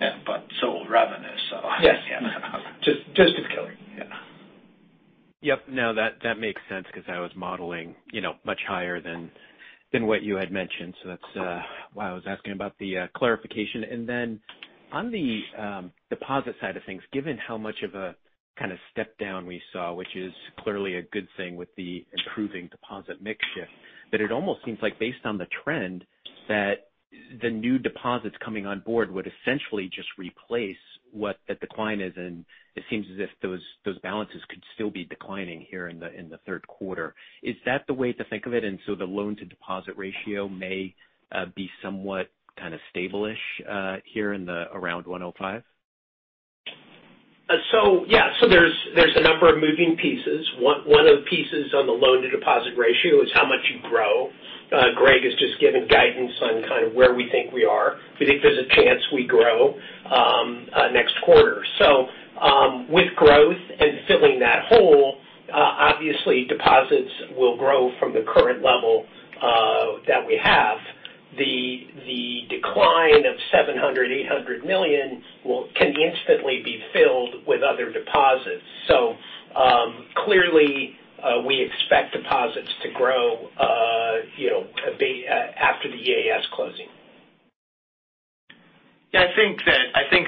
Yeah. So will revenue. Yes. Just killing it. Yeah. Yep. No, that makes sense because I was modeling much higher than what you had mentioned. That's why I was asking about the clarification. On the deposit side of things, given how much of a kind of step down we saw, which is clearly a good thing with the improving deposit mix shift, but it almost seems like based on the trend, that the new deposits coming on board would essentially just replace what the decline is. It seems as if those balances could still be declining here in the third quarter. Is that the way to think of it? The loan to deposit ratio may be somewhat kind of stable-ish here in the around $105 million? Yeah. There's a number of moving pieces. One of the pieces on the loan to deposit ratio is how much you grow. Greg has just given guidance on kind of where we think we are. We think there's a chance we grow next quarter. With growth and filling that hole obviously deposits will grow from the current level that we have. The decline of $700 million, $800 million can instantly be filled with other deposits. Clearly, we expect deposits to grow after the EAS closing. I think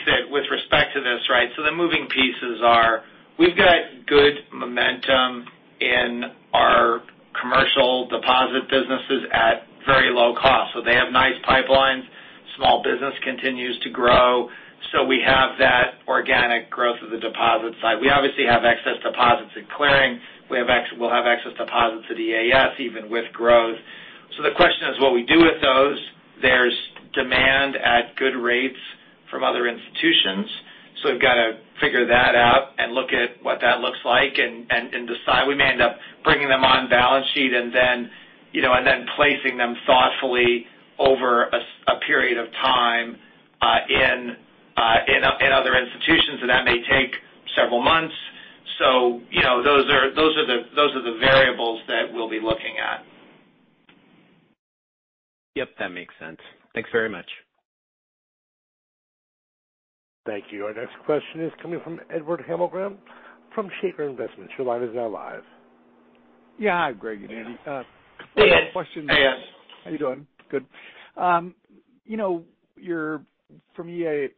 that with respect to this, the moving pieces are we've got good momentum in our commercial deposit businesses at very low cost. They have nice pipelines. Small business continues to grow. We have that organic growth of the deposit side. We obviously have excess deposits in clearing. We'll have excess deposits at EAS even with growth. The question is what we do with those. There's demand at good rates from other institutions. We've got to figure that out and look at what that looks like and decide. We may end up bringing them on balance sheet and then placing them thoughtfully over a period of time in other institutions. That may take several months. Those are the variables that we'll be looking at. Yep, that makes sense. Thanks very much. Thank you. Our next question is coming from Edward Hemmelgarn from Shaker Investments. Your line is now live. Hi, Greg and Andy. Hey, Ed. How you doing? Good. From EAS,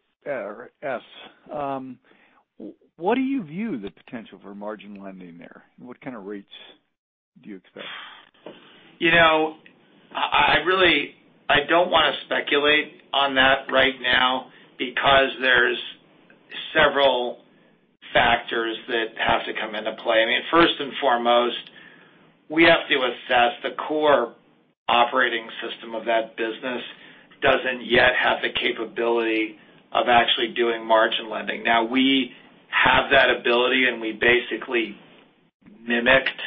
what do you view the potential for margin lending there? What kind of rates do you expect? I don't want to speculate on that right now because there's several factors that have to come into play. First and foremost, we have to assess the core operating system of that business doesn't yet have the capability of actually doing margin lending. Now we have that ability, and we basically mimicked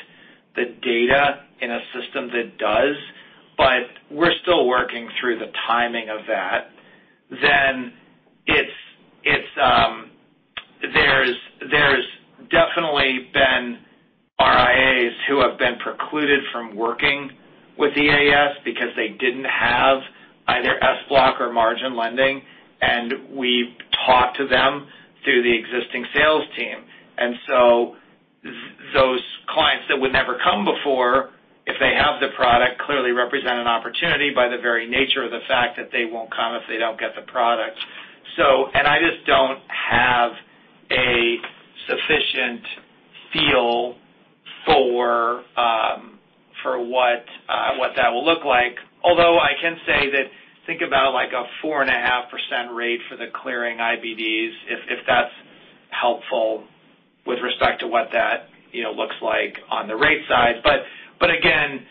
the data in a system that does, but we're still working through the timing of that. There's definitely been RIAs who have been precluded from working with EAS because they didn't have either SBLOC or margin lending, and we've talked to them through the existing sales team. Those clients that would never come before, if they have the product, clearly represent an opportunity by the very nature of the fact that they won't come if they don't get the product. I just don't have a sufficient feel for what that will look like. Although I can say that think about a 4.5% rate for the clearing IBDs, if that's helpful with respect to what that looks like on the rate side. Again,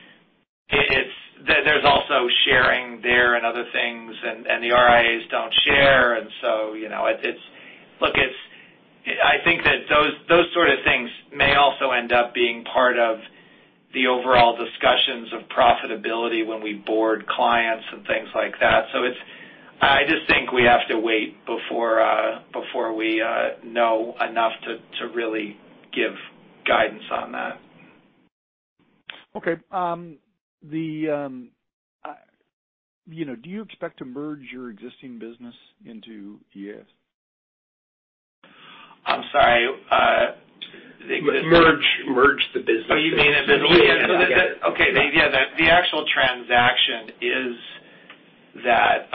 there's also sharing there and other things, and the RIAs don't share. I think that those sort of things may also end up being part of the overall discussions of profitability when we board clients and things like that. I just think we have to wait before we know enough to really give guidance on that. Okay. Do you expect to merge your existing business into EAS? I'm sorry. Merge the business. You mean. Okay. Yeah. The actual transaction is that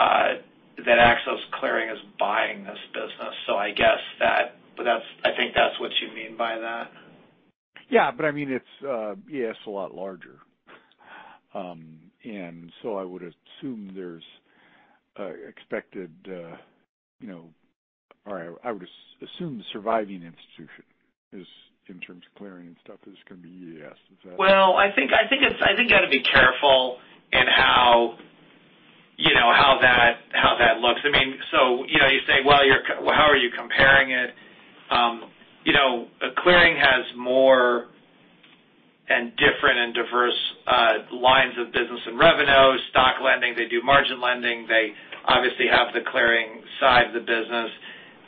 Axos Clearing is buying this business. I think that's what you mean by that. Yeah. EAS is a lot larger. I would assume the surviving institution, in terms of clearing and stuff, is going to be EAS. Is that? Well, I think you got to be careful in how that looks. You say, well, how are you comparing it? Axos Clearing has more and different and diverse lines of business and revenue. Stock lending, they do margin lending. They obviously have the clearing side of the business.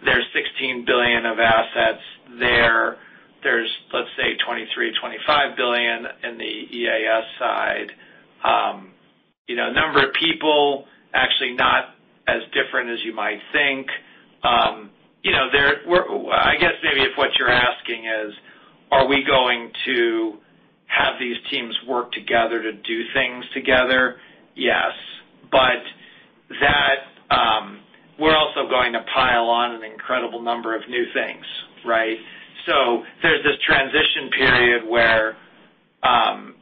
There's $16 billion of assets there. There's, let's say, $23 billion-$25 billion in the EAS side. Number of people, actually not as different as you might think. I guess maybe if what you're asking is, are we going to have these teams work together to do things together? Yes. We're also going to pile on an incredible number of new things, right? There's this transition period where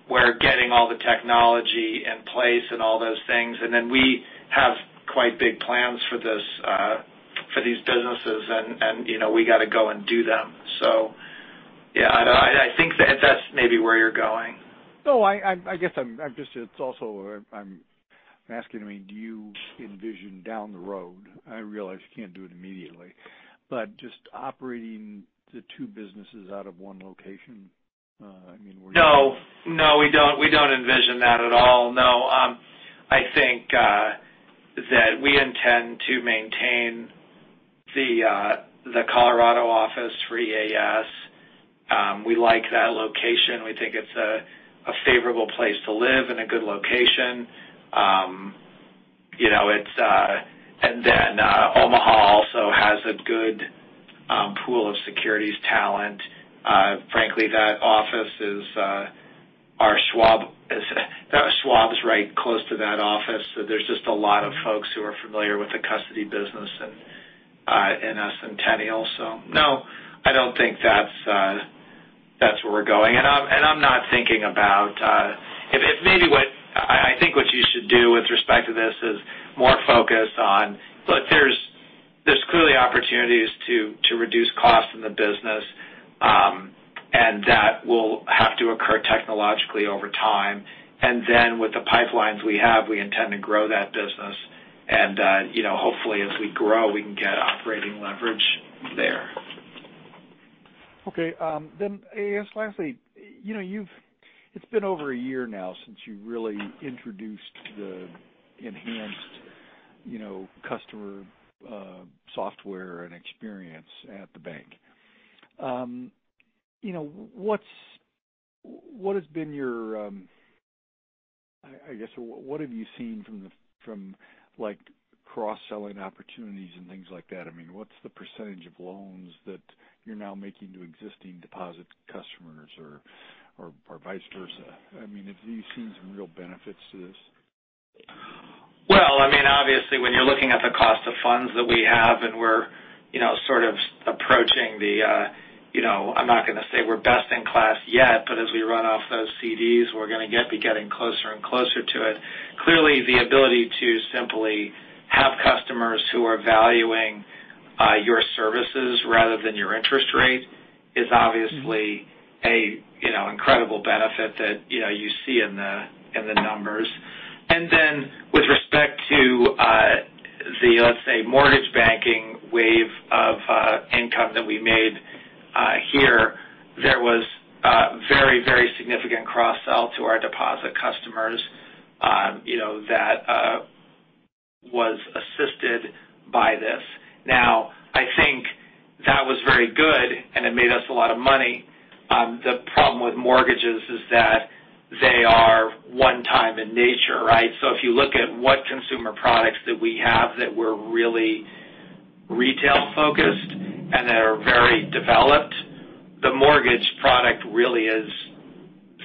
we're getting all the technology in place and all those things, and then we have quite big plans for these businesses, and we got to go and do them. Yeah, I think that's maybe where you're going. No, I guess it's also I'm asking, do you envision down the road, I realize you can't do it immediately, but just operating the two businesses out of one location? No, we don't envision that at all. No. I think that we intend to maintain the Colorado office for EAS. We like that location. We think it's a favorable place to live and a good location. Omaha also has a good pool of securities talent. Frankly, that office is our Schwab. Schwab is right close to that office. There's just a lot of folks who are familiar with the custody business in Centennial. No, I don't think that's where we're going. I think what you should do with respect to this is more focus on look, there's clearly opportunities to reduce costs in the business, and that will have to occur technologically over time. With the pipelines we have, we intend to grow that business, and hopefully as we grow, we can get operating leverage there. Okay. Lastly, it's been over a year now since you really introduced the enhanced customer software and experience at the bank. What have you seen from cross-selling opportunities and things like that? What's the percentage of loans that you're now making to existing deposit customers or vice versa? Have you seen some real benefits to this? Obviously, when you're looking at the cost of funds that we have, and we're sort of approaching the, I'm not going to say we're best in class yet, but as we run off those CDs, we're going to be getting closer and closer to it. Clearly, the ability to simply have customers who are valuing your services rather than your interest rate is obviously an incredible benefit that you see in the numbers. With respect to the, let's say, mortgage banking wave of income that we made here, there was very significant cross-sell to our deposit customers that was assisted by this. I think that was very good, and it made us a lot of money. The problem with mortgages is that they are one time in nature, right? If you look at what consumer products that we have that were really retail focused and that are very developed, the mortgage product really is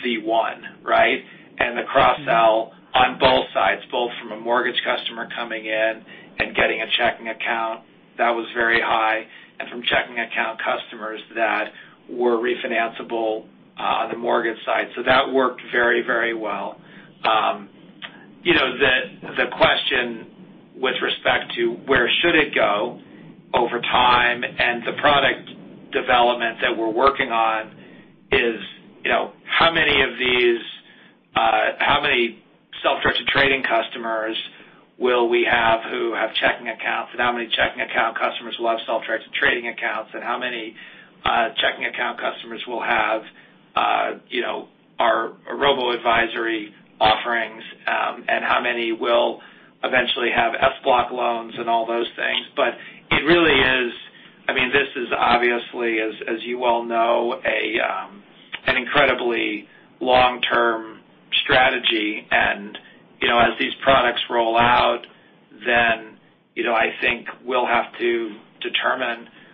the one, right? The cross-sell on both sides, both from a mortgage customer coming in and getting a checking account, that was very high, and from checking account customers that were refinanceable on the mortgage side. That worked very well. The question with respect to where should it go over time and the product development that we're working on is how many self-directed trading customers will we have who have checking accounts, and how many checking account customers will have self-directed trading accounts, and how many checking account customers will have our robo-advisory offerings, and how many will eventually have SBLOC loans and all those things. This is obviously, as you well know, an incredibly long-term strategy. As these products roll out, then I think we'll have to determine.